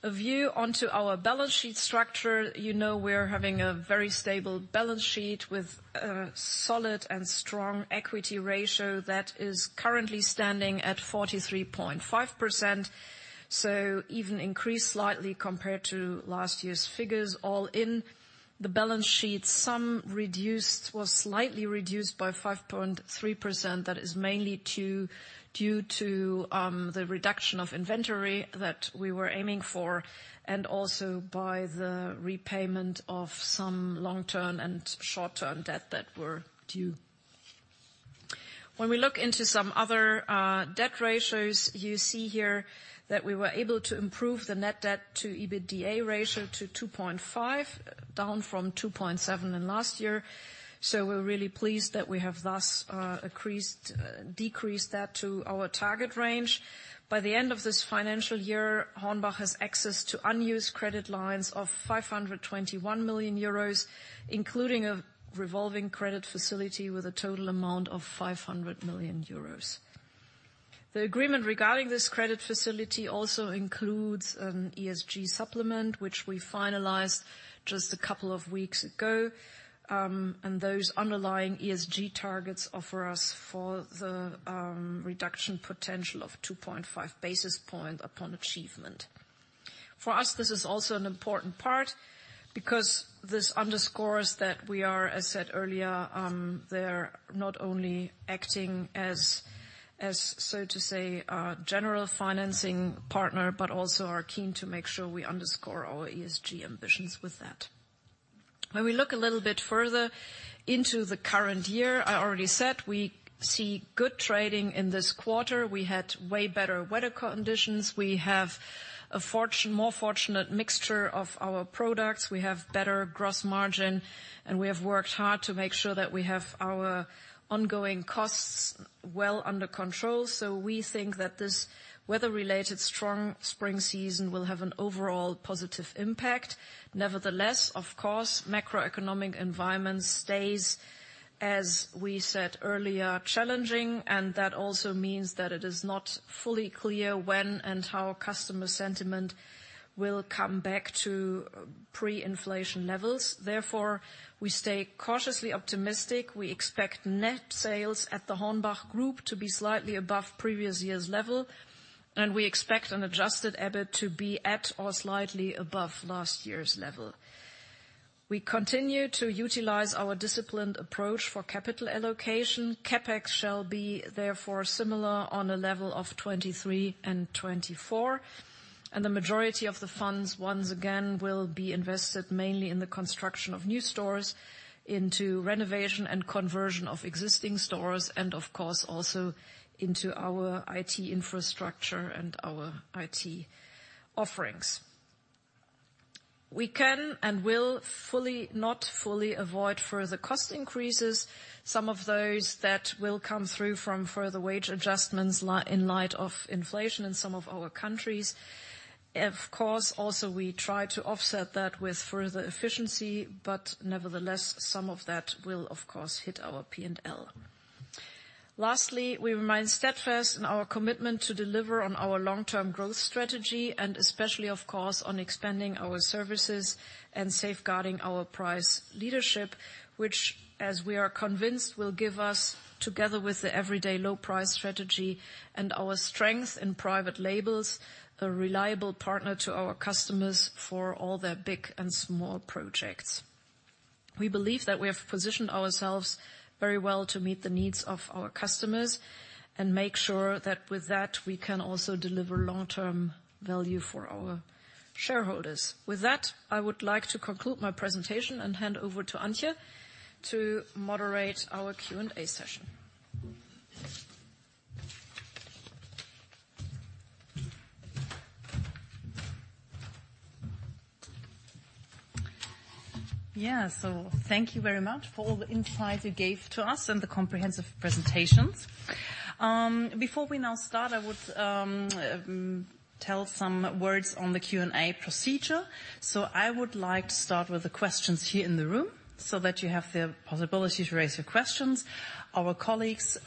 Speaker 4: A view onto our balance sheet structure. You know, we're having a very stable balance sheet with a solid and strong equity ratio that is currently standing at 43.5%, so even increased slightly compared to last year's figures. All in, the balance sheet, somewhat reduced, was slightly reduced by 5.3%. That is mainly due to the reduction of inventory that we were aiming for, and also by the repayment of some long-term and short-term debt that were due. When we look into some other debt ratios, you see here that we were able to improve the net debt to EBITDA ratio to 2.5, down from 2.7 in last year. So we're really pleased that we have thus decreased that to our target range. By the end of this financial year, HORNBACH has access to unused credit lines of 521 million euros, including a revolving credit facility with a total amount of 500 million euros. The agreement regarding this credit facility also includes an ESG supplement, which we finalized just a couple of weeks ago. And those underlying ESG targets offer us for the reduction potential of 2.5 basis point upon achievement. For us, this is also an important part because this underscores that we are, as said earlier, there not only acting as, so to say, a general financing partner, but also are keen to make sure we underscore our ESG ambitions with that. When we look a little bit further into the current year, I already said we see good trading in this quarter. We had way better weather conditions. We have a more fortunate mixture of our products. We have better gross margin, and we have worked hard to make sure that we have our ongoing costs well under control. So we think that this weather-related strong spring season will have an overall positive impact. Nevertheless, of course, macroeconomic environment stays, as we said earlier, challenging, and that also means that it is not fully clear when and how customer sentiment will come back to pre-inflation levels. Therefore, we stay cautiously optimistic. We expect net sales at the HORNBACH Group to be slightly above previous year's level, and we expect an Adjusted EBIT to be at or slightly above last year's level. We continue to utilize our disciplined approach for capital allocation. CapEx shall therefore be similar on a level of 2023 and 2024, and the majority of the funds, once again, will be invested mainly in the construction of new stores, into renovation and conversion of existing stores, and of course, also into our IT infrastructure and our IT offerings. We can and will fully, not fully avoid further cost increases, some of those that will come through from further wage adjustments in light of inflation in some of our countries. Of course, also, we try to offset that with further efficiency, but nevertheless, some of that will, of course, hit our P&L. Lastly, we remain steadfast in our commitment to deliver on our long-term growth strategy, and especially, of course, on expanding our services and safeguarding our price leadership, which, as we are convinced, will give us, together with the everyday low price strategy and our strength in private labels, a reliable partner to our customers for all their big and small projects. We believe that we have positioned ourselves very well to meet the needs of our customers and make sure that with that, we can also deliver long-term value for our shareholders. With that, I would like to conclude my presentation and hand over to Antje to moderate our Q&A session.
Speaker 1: Yeah, so thank you very much for all the insights you gave to us and the comprehensive presentations. Before we now start, I would tell some words on the Q&A procedure. So I would like to start with the questions here in the room, so that you have the possibility to raise your questions. Our colleagues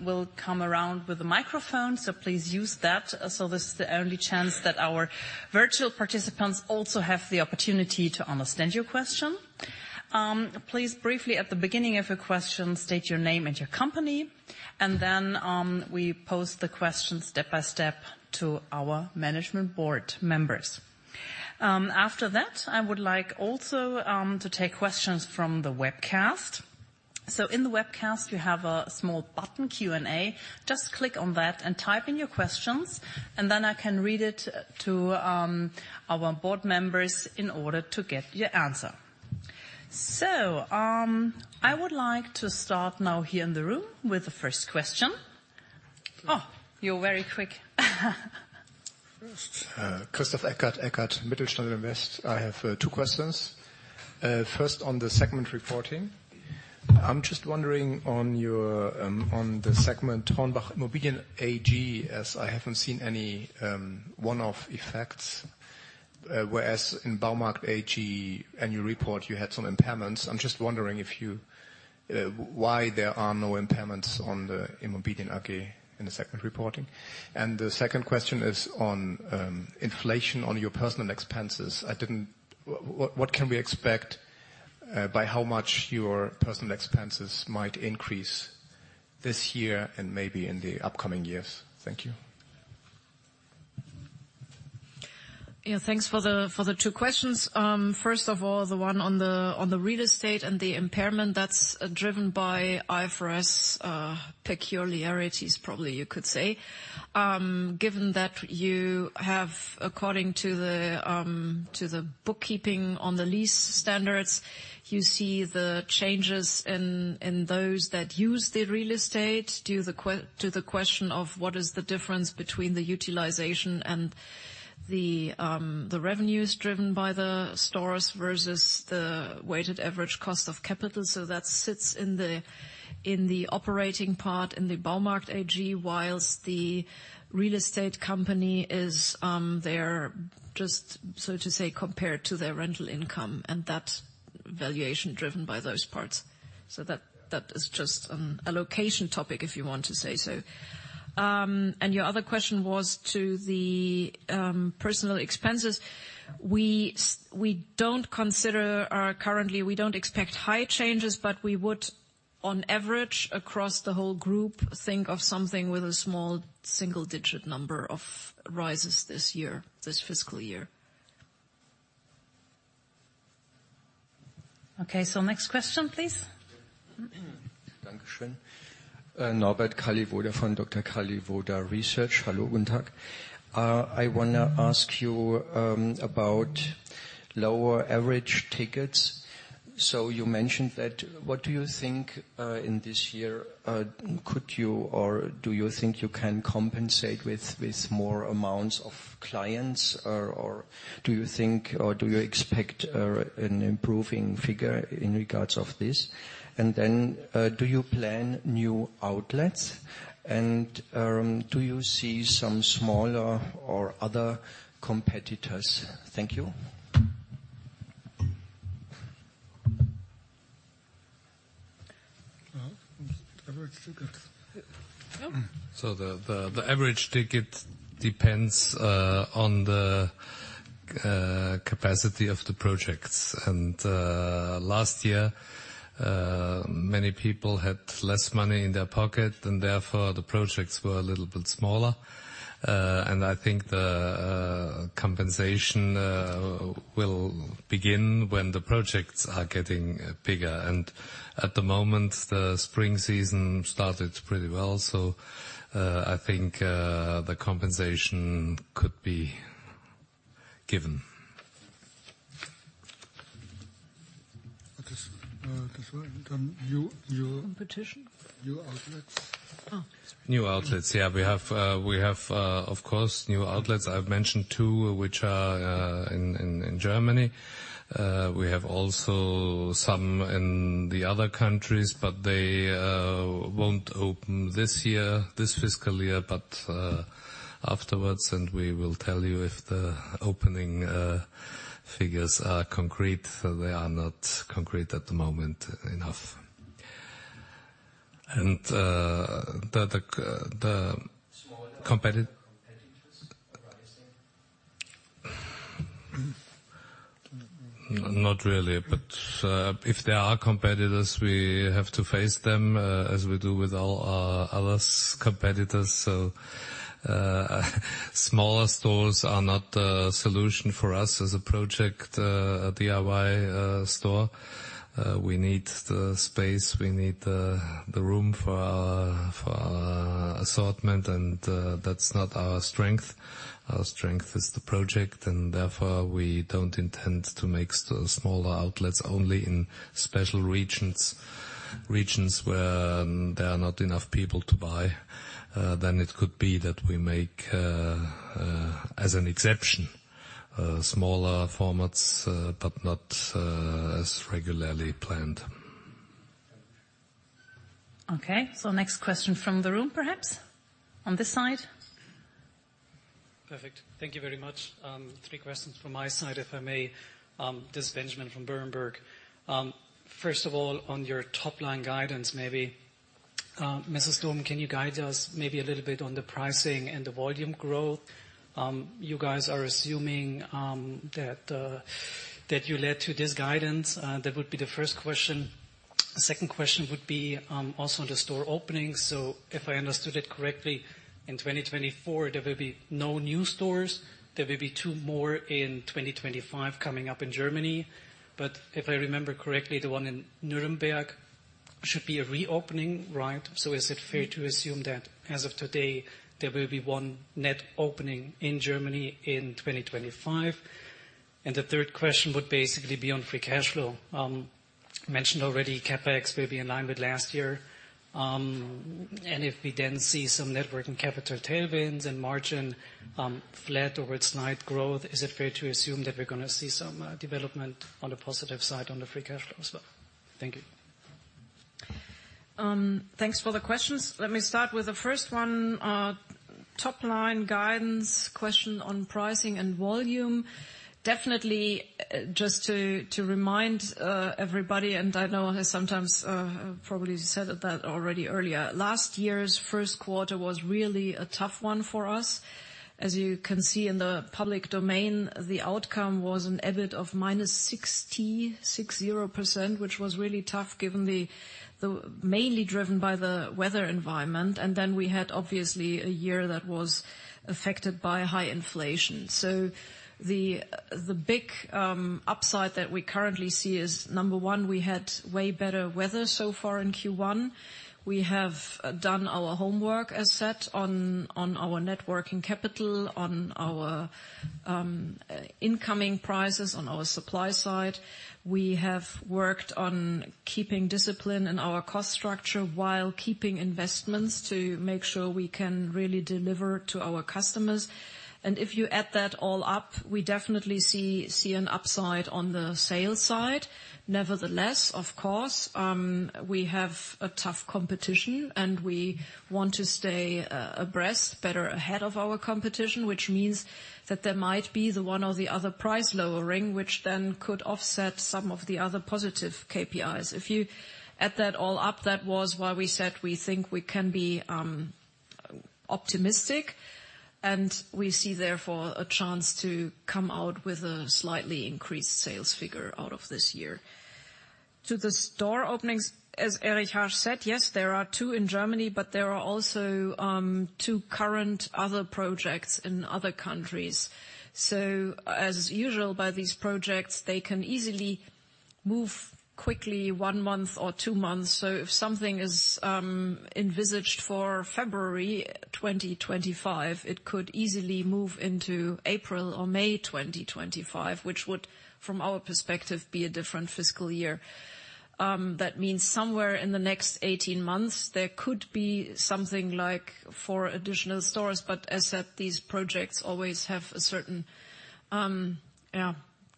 Speaker 1: will come around with a microphone, so please use that, so this is the only chance that our virtual participants also have the opportunity to understand your question. Please briefly, at the beginning of your question, state your name and your company, and then we pose the question step by step to our Management Board Members. After that, I would like also to take questions from the webcast. So in the webcast, you have a small button, Q&A. Just click on that and type in your questions, and then I can read it to, our board members in order to get your answer. So, I would like to start now here in the room with the first question. Oh, you're very quick.
Speaker 5: Christoph Eckert, Eckert Mittelstand Invest. I have two questions. First, on the segment reporting. I'm just wondering on your segment HORNBACH Immobilien AG, as I haven't seen any one-off effects, whereas in HORNBACH Baumarkt AG annual report, you had some impairments. I'm just wondering if you why there are no impairments on the Immobilien AG in the second reporting? And the second question is on inflation on your personnel expenses. What, what can we expect by how much your personnel expenses might increase this year and maybe in the upcoming years? Thank you.
Speaker 4: Yeah, thanks for the two questions. First of all, the one on the real estate and the impairment, that's driven by IFRS peculiarities, probably, you could say. Given that you have, according to the bookkeeping on the lease standards, you see the changes in those that use the real estate, due to the question of: What is the difference between the utilization and the revenues driven by the stores versus the weighted average cost of capital? So that sits in the operating part, in the Baumarkt AG, while the real estate company is there just, so to say, compared to their rental income, and that's valuation driven by those parts. So that is just a location topic, if you want to say so. Your other question was to the personnel expenses. We don't consider or currently, we don't expect high changes, but we would, on average, across the whole group, think of something with a small single-digit number of rises this year, this fiscal year.
Speaker 1: Okay, so next question, please.
Speaker 6: Norbert Kalliwoda from Dr. Kalliwoda Research. Hello, guten Tag. I wanna ask you about lower average tickets. So you mentioned that. What do you think in this year could you or do you think you can compensate with, with more amounts of clients, or, or do you think or do you expect an improving figure in regards of this? And then do you plan new outlets, and do you see some smaller or other competitors? Thank you. Well, average tickets.
Speaker 4: Oh.
Speaker 3: So the average ticket depends on the capacity of the projects. And last year many people had less money in their pocket, and therefore, the projects were a little bit smaller. And I think the compensation will begin when the projects are getting bigger. And at the moment, the spring season started pretty well, so I think the compensation could be given.
Speaker 6: Okay, this one, new-
Speaker 4: Competition?
Speaker 6: New outlets.
Speaker 4: Oh.
Speaker 3: New outlets. Yeah, we have, we have, of course, new outlets. I've mentioned two, which are in Germany. We have also some in the other countries, but they won't open this year, this fiscal year, but afterwards, and we will tell you if the opening figures are concrete. They are not concrete at the moment enough. And, the, the
Speaker 6: Smaller competitors arising?
Speaker 3: Not really, but if there are competitors, we have to face them, as we do with all our other competitors. So, smaller stores are not the solution for us as a project DIY store. We need the space, we need the room for our assortment, and that's not our strength. Our strength is the project, and therefore, we don't intend to make the smaller outlets. Only in special regions where there are not enough people to buy, then it could be that we make, as an exception, smaller formats, but not as regularly planned.
Speaker 1: Okay, next question from the room, perhaps. On this side.
Speaker 7: Perfect. Thank you very much. Three questions from my side, if I may. This is Benjamin from Berenberg. First of all, on your top-line guidance, maybe, Mrs. Dohm, can you guide us maybe a little bit on the pricing and the volume growth? You guys are assuming, that, that you led to this guidance. That would be the first question. Second question would be, also on the store openings. So if I understood it correctly, in 2024, there will be no new stores. There will be two more in 2025 coming up in Germany, but if I remember correctly, the one in Nuremberg should be a reopening, right? So is it fair to assume that, as of today, there will be one net opening in Germany in 2025? The third question would basically be on free cash flow. You mentioned already CapEx will be in line with last year. If we then see some net working capital tailwinds and margin, flat or with slight growth, is it fair to assume that we're gonna see some development on the positive side on the free cash flow as well? Thank you.
Speaker 4: Thanks for the questions. Let me start with the first one. Top line guidance, question on pricing and volume. Definitely, just to remind everybody, and I know I sometimes probably said that already earlier, last year's first quarter was really a tough one for us. As you can see in the public domain, the outcome was an EBIT of -66%, which was really tough given the mainly driven by the weather environment. And then we had, obviously, a year that was affected by high inflation. So the big upside that we currently see is, number one, we had way better weather so far in Q1. We have done our homework, as set, on our net working capital, on our incoming prices, on our supply side. We have worked on keeping discipline in our cost structure while keeping investments to make sure we can really deliver to our customers. And if you add that all up, we definitely see an upside on the sales side. Nevertheless, of course, we have a tough competition, and we want to stay ahead of our competition, which means that there might be the one or the other price lowering, which then could offset some of the other positive KPIs. If you add that all up, that was why we said we think we can be optimistic, and we see, therefore, a chance to come out with a slightly increased sales figure out of this year. To the store openings, as Erich Harsch said, yes, there are two in Germany, but there are also two current other projects in other countries. So as usual, by these projects, they can easily move quickly, 1 month or 2 months. So if something is envisaged for February 2025, it could easily move into April or May 2025, which would, from our perspective, be a different fiscal year. That means somewhere in the next 18 months, there could be something like 4 additional stores, but as said, these projects always have a certain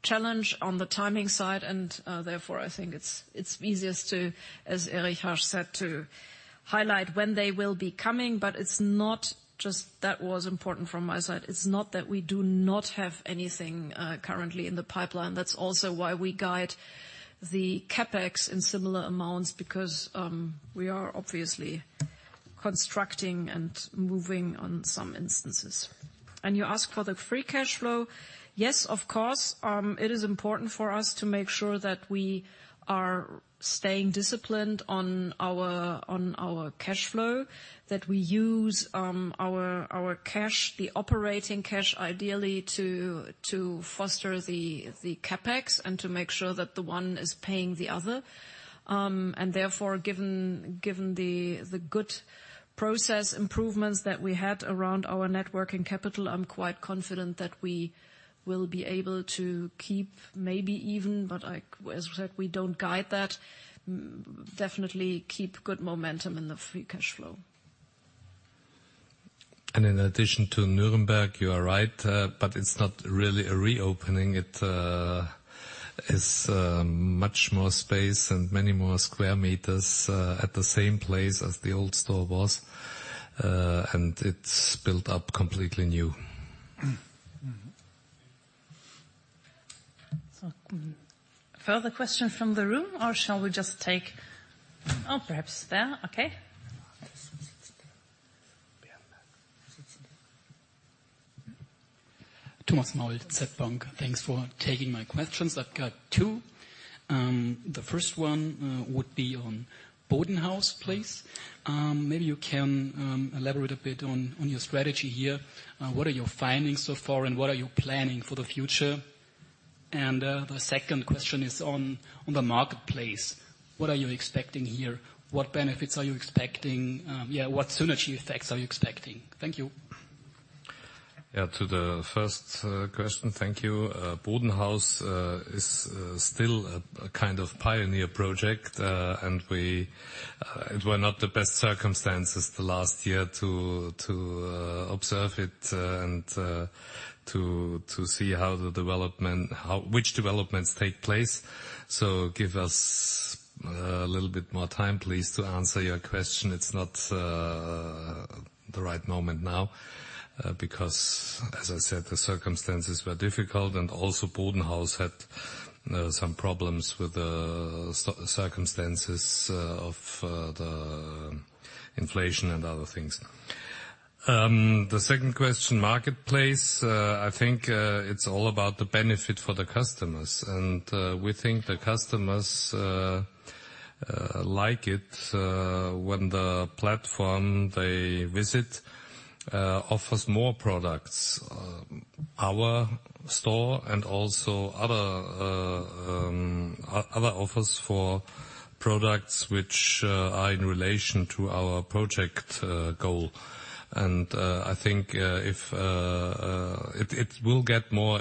Speaker 4: challenge on the timing side, and therefore, I think it's easiest to, as Erich Harsch said, highlight when they will be coming. But it's not just that. That was important from my side. It's not that we do not have anything currently in the pipeline. That's also why we guide the CapEx in similar amounts, because we are obviously constructing and moving on some instances. And you ask for the free cash flow. Yes, of course, it is important for us to make sure that we are staying disciplined on our cash flow, that we use our cash, the operating cash, ideally, to foster the CapEx and to make sure that the one is paying the other. Therefore, given the good process improvements that we had around our net working capital, I'm quite confident that we will be able to keep, maybe even, but like, as we said, we don't guide that, definitely keep good momentum in the free cash flow.
Speaker 3: In addition to Nuremberg, you are right, but it's not really a reopening. It is much more space and many more square meters at the same place as the old store was, and it's built up completely new.
Speaker 1: So further questions from the room, or shall we just take. Oh, perhaps there. Okay.
Speaker 8: Thomas Maul, DZ Bank. Thanks for taking my questions. I've got two. The first one would be on BODENHAUS, please. Maybe you can elaborate a bit on your strategy here. What are you finding so far, and what are you planning for the future? And the second question is on the marketplace. What are you expecting here? What benefits are you expecting? Yeah, what synergy effects are you expecting? Thank you.
Speaker 3: Yeah, to the first question, thank you. BODENHAUS is still a kind of pioneer project, and we-- It were not the best circumstances the last year to observe it, and to see how the development-- how-- which developments take place. So give us a little bit more time, please, to answer your question. It's not the right moment now, because, as I said, the circumstances were difficult, and also BODENHAUS had some problems with the circumstances of the inflation and other things. The second question, marketplace, I think it's all about the benefit for the customers, and we think the customers like it when the platform they visit offers more products. Our store and also other offers for products which are in relation to our project goal. I think if it will get more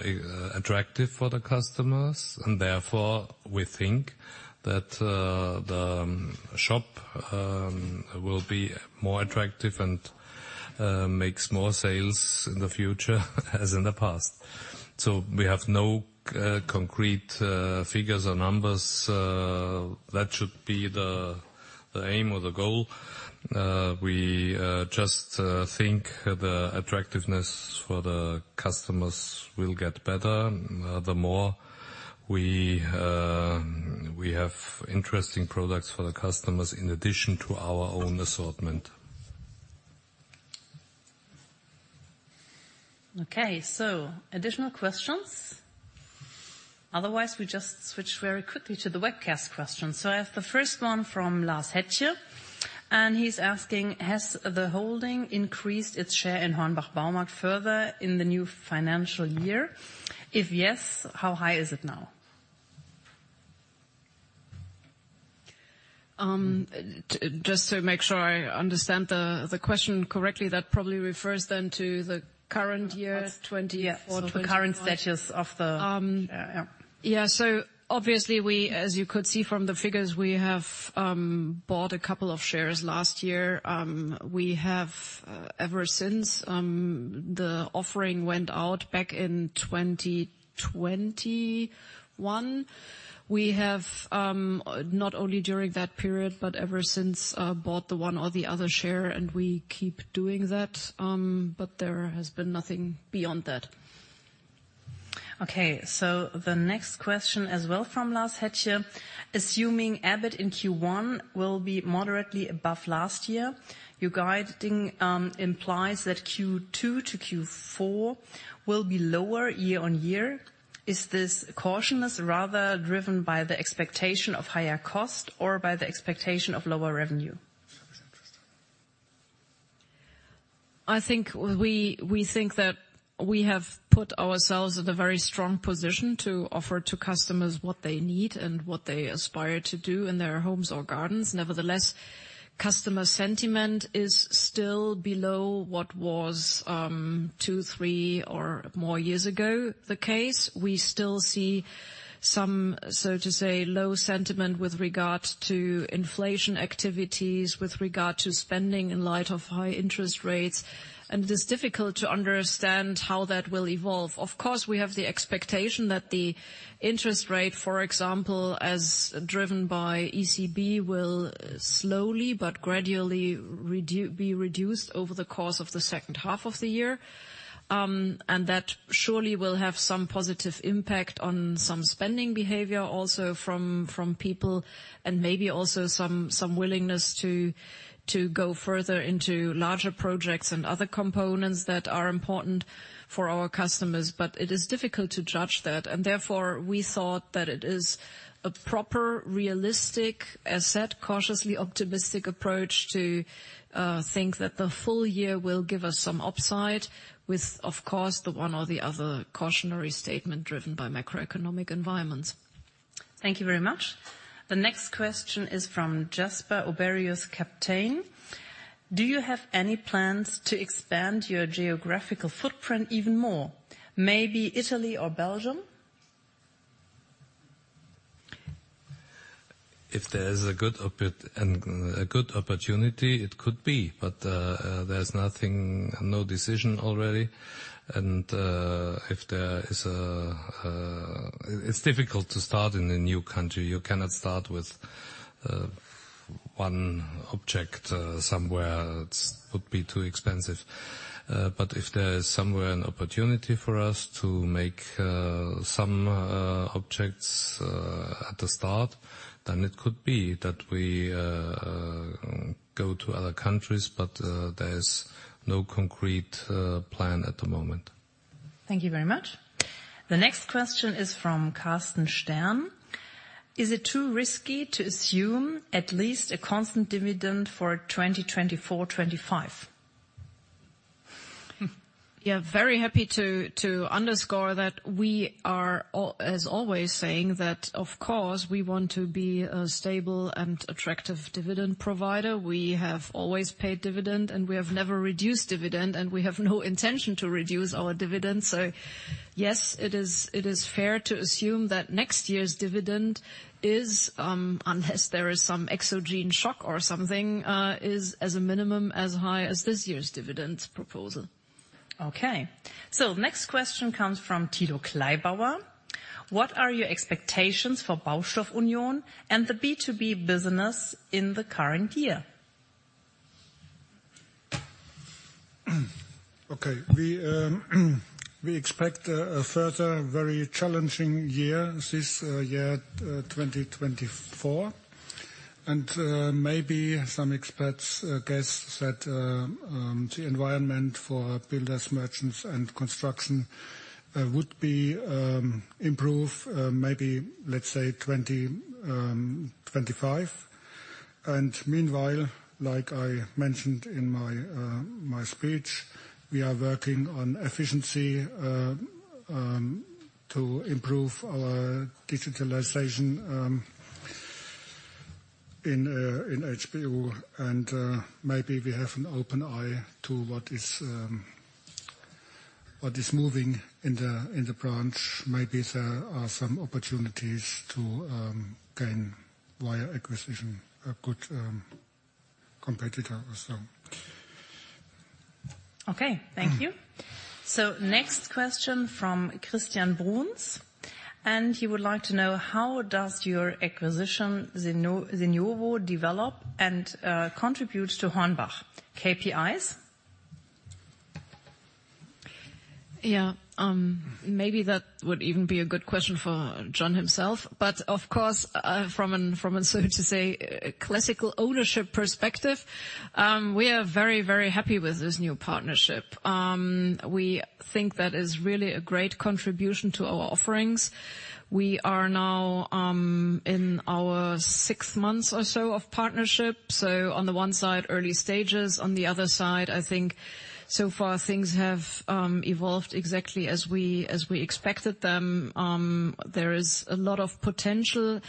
Speaker 3: attractive for the customers, and therefore, we think that the shop will be more attractive and makes more sales in the future as in the past. So we have no concrete figures or numbers. That should be the aim or the goal. We just think the attractiveness for the customers will get better, the more we have interesting products for the customers in addition to our own assortment.
Speaker 1: Okay, so additional questions? Otherwise, we just switch very quickly to the webcast questions. So I have the first one from Lars Hettche, and he's asking: Has the holding increased its share in HORNBACH Baumarkt further in the new financial year? If yes, how high is it now?
Speaker 4: Just to make sure I understand the question correctly, that probably refers then to the current year, 20-
Speaker 1: Yeah, so the current status of the, yeah.
Speaker 4: Yeah, so obviously, we, as you could see from the figures, we have bought a couple of shares last year. We have, ever since the offering went out back in 2021, we have not only during that period, but ever since, bought the one or the other share, and we keep doing that. But there has been nothing beyond that.
Speaker 1: Okay, so the next question as well from Lars Hettche: Assuming EBIT in Q1 will be moderately above last year, your guidance implies that Q2 to Q4 will be lower year-on-year. Is this cautiousness rather driven by the expectation of higher costs or by the expectation of lower revenue?
Speaker 4: I think we think that we have put ourselves in a very strong position to offer to customers what they need and what they aspire to do in their homes or gardens. Nevertheless, customer sentiment is still below what was two, three, or more years ago, the case. We still see some, so to say, low sentiment with regard to inflation activities, with regard to spending in light of high interest rates, and it is difficult to understand how that will evolve. Of course, we have the expectation that the interest rate, for example, as driven by ECB, will slowly but gradually be reduced over the course of the second half of the year. And that surely will have some positive impact on some spending behavior also from people, and maybe also some willingness to go further into larger projects and other components that are important for our customers. But it is difficult to judge that, and therefore, we thought that it is a proper, realistic, as said, cautiously optimistic approach to think that the full-year will give us some upside with, of course, the one or the other cautionary statement driven by macroeconomic environments.
Speaker 1: Thank you very much. The next question is from Jasper Oberius Kapteijn: Do you have any plans to expand your geographical footprint even more? Maybe Italy or Belgium?
Speaker 3: If there is a good opportunity, it could be, but there's nothing, no decision already. And if there is a... It's difficult to start in a new country. You cannot start with one object somewhere. It would be too expensive. But if there is somewhere an opportunity for us to make some objects at the start, then it could be that we go to other countries, but there's no concrete plan at the moment.
Speaker 1: Thank you very much. The next question is from Karsten Stern: Is it too risky to assume at least a constant dividend for 2024/2025?
Speaker 4: Yeah, very happy to underscore that we are, as always, saying that, of course, we want to be a stable and attractive dividend provider. We have always paid dividend, and we have never reduced dividend, and we have no intention to reduce our dividend. So yes, it is fair to assume that next year's dividend is, unless there is some exogenous shock or something, as a minimum, as high as this year's dividend proposal.
Speaker 1: Okay. So next question comes from Thilo Kleibauer: What are your expectations for Baustoff Union and the B2B business in the current year?
Speaker 2: Okay, we expect a further very challenging year, this year, 2024. And maybe some experts guess that the environment for builders, merchants, and construction would improve, maybe, let's say 2025. And meanwhile, like I mentioned in my speech, we are working on efficiency to improve our digitalization. in HBU, and maybe we have an open eye to what is moving in the branch. Maybe there are some opportunities to gain via acquisition a good competitor or so.
Speaker 1: Okay, thank you. So next question from Christian Bruns, and he would like to know: how does your acquisition, Seniovo, develop and contribute to HORNBACH KPIs?
Speaker 4: Yeah, maybe that would even be a good question for John himself. But of course, from an, so to say, classical ownership perspective, we are very, very happy with this new partnership. We think that is really a great contribution to our offerings. We are now in our sixth months or so of partnership, so on the one side, early stages, on the other side, I think so far things have evolved exactly as we expected them. There is a lot of potential,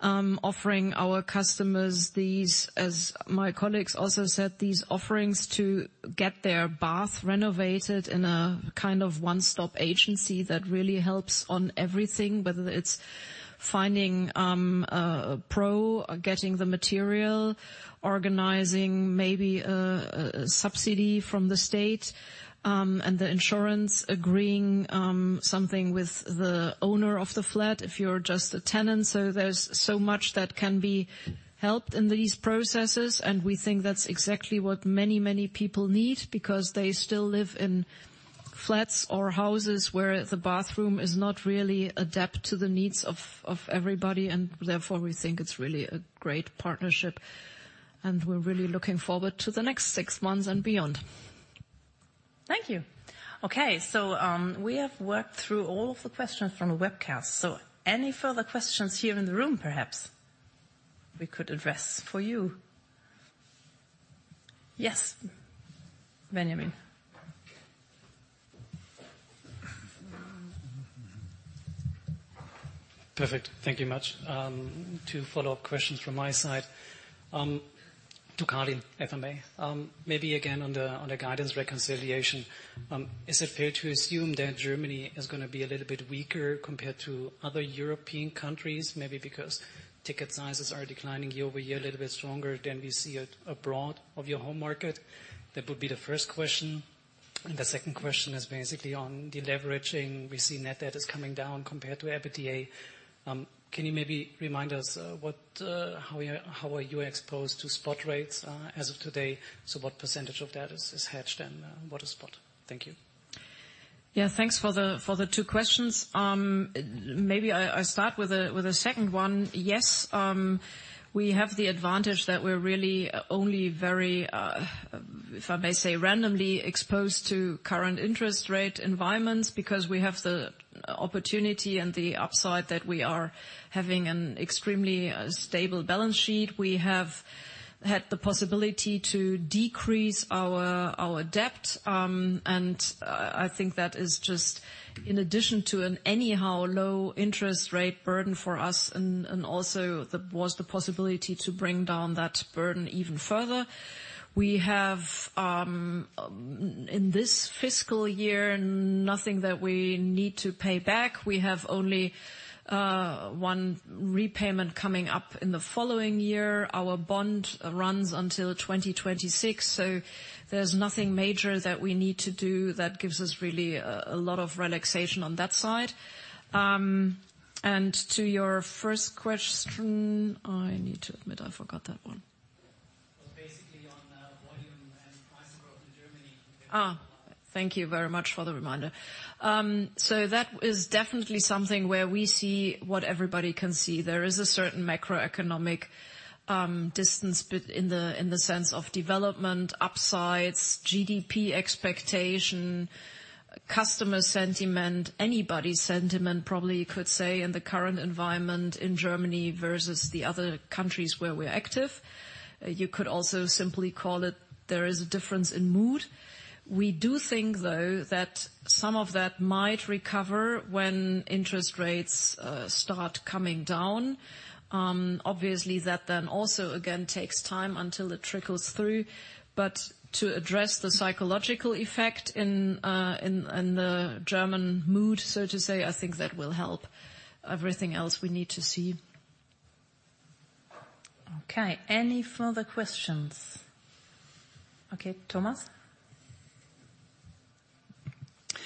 Speaker 4: offering our customers these, as my colleagues also said, these offerings to get their bath renovated in a kind of one-stop agency that really helps on everything. Whether it's finding a pro, getting the material, organizing maybe a subsidy from the state, and the insurance, agreeing something with the owner of the flat, if you're just a tenant. So there's so much that can be helped in these processes, and we think that's exactly what many, many people need, because they still live in flats or houses where the bathroom is not really adapted to the needs of everybody, and therefore, we think it's really a great partnership, and we're really looking forward to the next six months and beyond.
Speaker 1: Thank you. Okay, so, we have worked through all of the questions from the webcast. Any further questions here in the room, perhaps, we could address for you? Yes, Benjamin.
Speaker 7: Perfect. Thank you much. Two follow-up questions from my side. To Karin, if I may. Maybe again, on the, on the guidance reconciliation, is it fair to assume that Germany is gonna be a little bit weaker compared to other European countries? Maybe because ticket sizes are declining year-over-year, a little bit stronger than we see it abroad of your home market. That would be the first question. And the second question is basically on deleveraging. We see net debt is coming down compared to EBITDA. Can you maybe remind us, what how are you, how are you exposed to spot rates, as of today? So what percentage of that is, is hedged and what is spot? Thank you.
Speaker 4: Yeah, thanks for the, for the two questions. Maybe I start with the second one. Yes, we have the advantage that we're really only very, if I may say, randomly exposed to current interest rate environments, because we have the opportunity and the upside that we are having an extremely stable balance sheet. We have had the possibility to decrease our debt, and I think that is just in addition to an anyhow low interest rate burden for us, and also the possibility to bring down that burden even further. We have, in this fiscal year, nothing that we need to pay back. We have only one repayment coming up in the following year. Our bond runs until 2026, so there's nothing major that we need to do that gives us really a lot of relaxation on that side. And to your first question, I need to admit, I forgot that one.
Speaker 7: Basically, on volume and price growth in Germany.
Speaker 4: Ah, thank you very much for the reminder. So that is definitely something where we see what everybody can see. There is a certain macroeconomic, distance in the, in the sense of development, upsides, GDP expectation, customer sentiment, anybody's sentiment, probably you could say, in the current environment in Germany versus the other countries where we're active. You could also simply call it there is a difference in mood. We do think, though, that some of that might recover when interest rates, start coming down. Obviously, that then also again, takes time until it trickles through. But to address the psychological effect in, in the German mood, so to say, I think that will help. Everything else we need to see.
Speaker 1: Okay, any further questions? Okay, Thomas.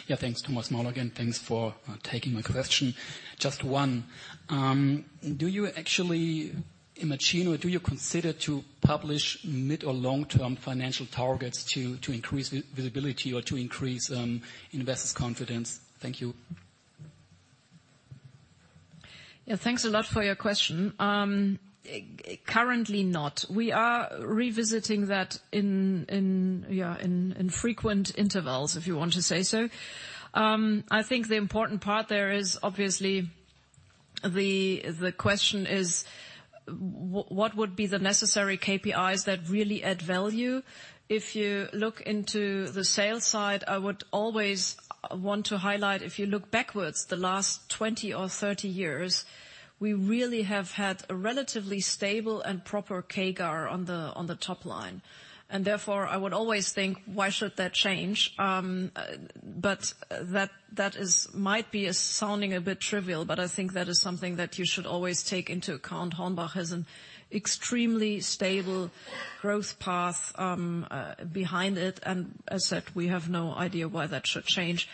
Speaker 8: Yeah, thanks, Thomas Maul. Thanks for taking my question. Just one, do you actually imagine, or do you consider to publish mid or long-term financial targets to, to increase visibility or to increase, investors' confidence? Thank you.
Speaker 4: Yeah, thanks a lot for your question. Currently not. We are revisiting that in frequent intervals, if you want to say so. I think the important part there is obviously. The question is, what would be the necessary KPIs that really add value? If you look into the sales side, I would always want to highlight, if you look backwards, the last 20 or 30 years, we really have had a relatively stable and proper CAGR on the top line. And therefore, I would always think, "Why should that change?" But that might be sounding a bit trivial, but I think that is something that you should always take into account. HORNBACH has an extremely stable growth path behind it, and as said, we have no idea why that should change.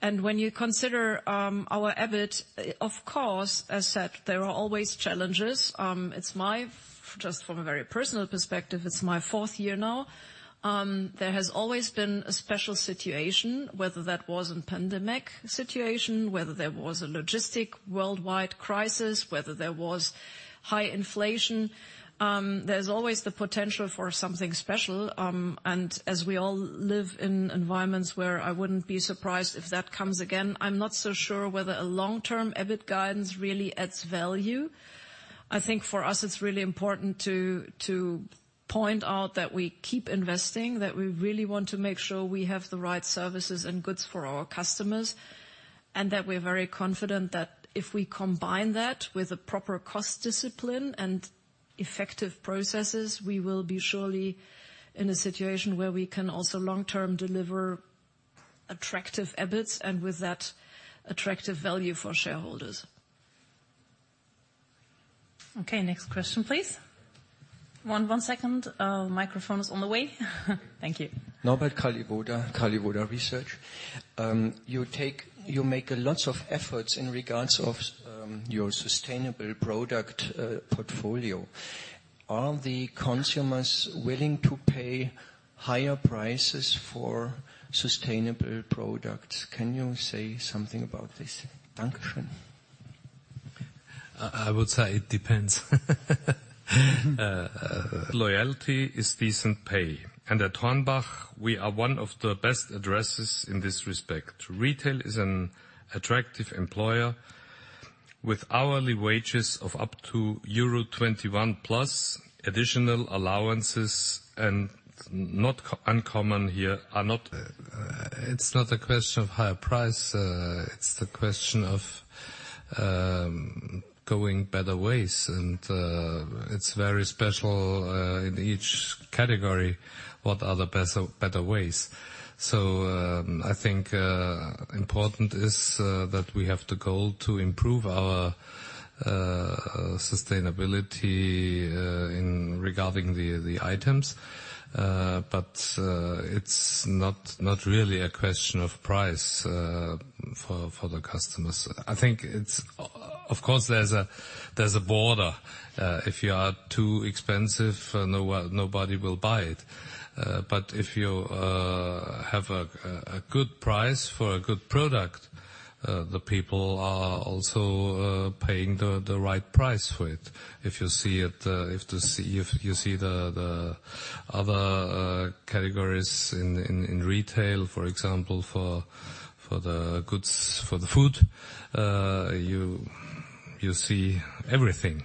Speaker 4: When you consider our EBIT, of course, as said, there are always challenges. It's my, just from a very personal perspective, it's my fourth year now. There has always been a special situation, whether that was in pandemic situation, whether there was a logistic worldwide crisis, whether there was high inflation. There's always the potential for something special, and as we all live in environments where I wouldn't be surprised if that comes again, I'm not so sure whether a long-term EBIT guidance really adds value. I think for us, it's really important to, to point out that we keep investing, that we really want to make sure we have the right services and goods for our customers, and that we're very confident that if we combine that with a proper cost discipline and effective processes, we will be surely in a situation where we can also long-term deliver attractive EBITs, and with that, attractive value for shareholders.
Speaker 1: Okay, next question, please. One second. Microphone is on the way. Thank you.
Speaker 6: Norbert Kalliwoda, Kalliwoda Research. You take you make a lots of efforts in regards of your sustainable product portfolio. Are the consumers willing to pay higher prices for sustainable products? Can you say something about this? Thank you.
Speaker 3: I would say it depends. Loyalty is decent pay, and at HORNBACH, we are one of the best addresses in this respect. Retail is an attractive employer with hourly wages of up to euro 21+ additional allowances. It's not a question of higher price; it's the question of going better ways. And it's very special in each category, what are the better ways. So, I think important is that we have the goal to improve our sustainability regarding the items. But it's not really a question of price for the customers. I think it's... Of course, there's a border. If you are too expensive, no one, nobody will buy it. But if you have a good price for a good product, the people are also paying the right price for it. If you see the other categories in retail, for example, for the goods, for the food, you see everything.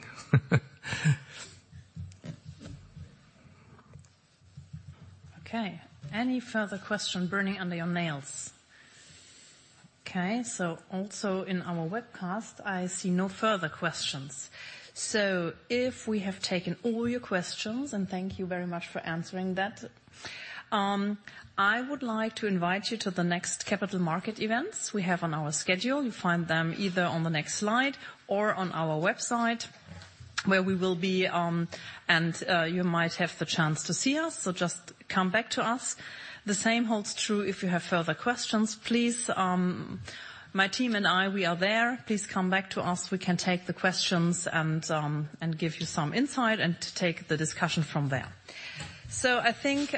Speaker 1: Okay, any further question burning under your nails? Okay, so also in our webcast, I see no further questions. So if we have taken all your questions, and thank you very much for answering that, I would like to invite you to the next capital market events we have on our schedule. You find them either on the next slide or on our website, where we will be, and you might have the chance to see us, so just come back to us. The same holds true if you have further questions. Please, my team and I, we are there. Please come back to us. We can take the questions and give you some insight, and take the discussion from there. So I think,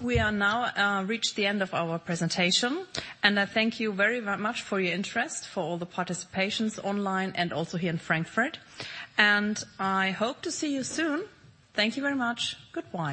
Speaker 1: we are now, reached the end of our presentation, and I thank you very, very much for your interest, for all the participations online and also here in Frankfurt, and I hope to see you soon. Thank you very much. Goodbye!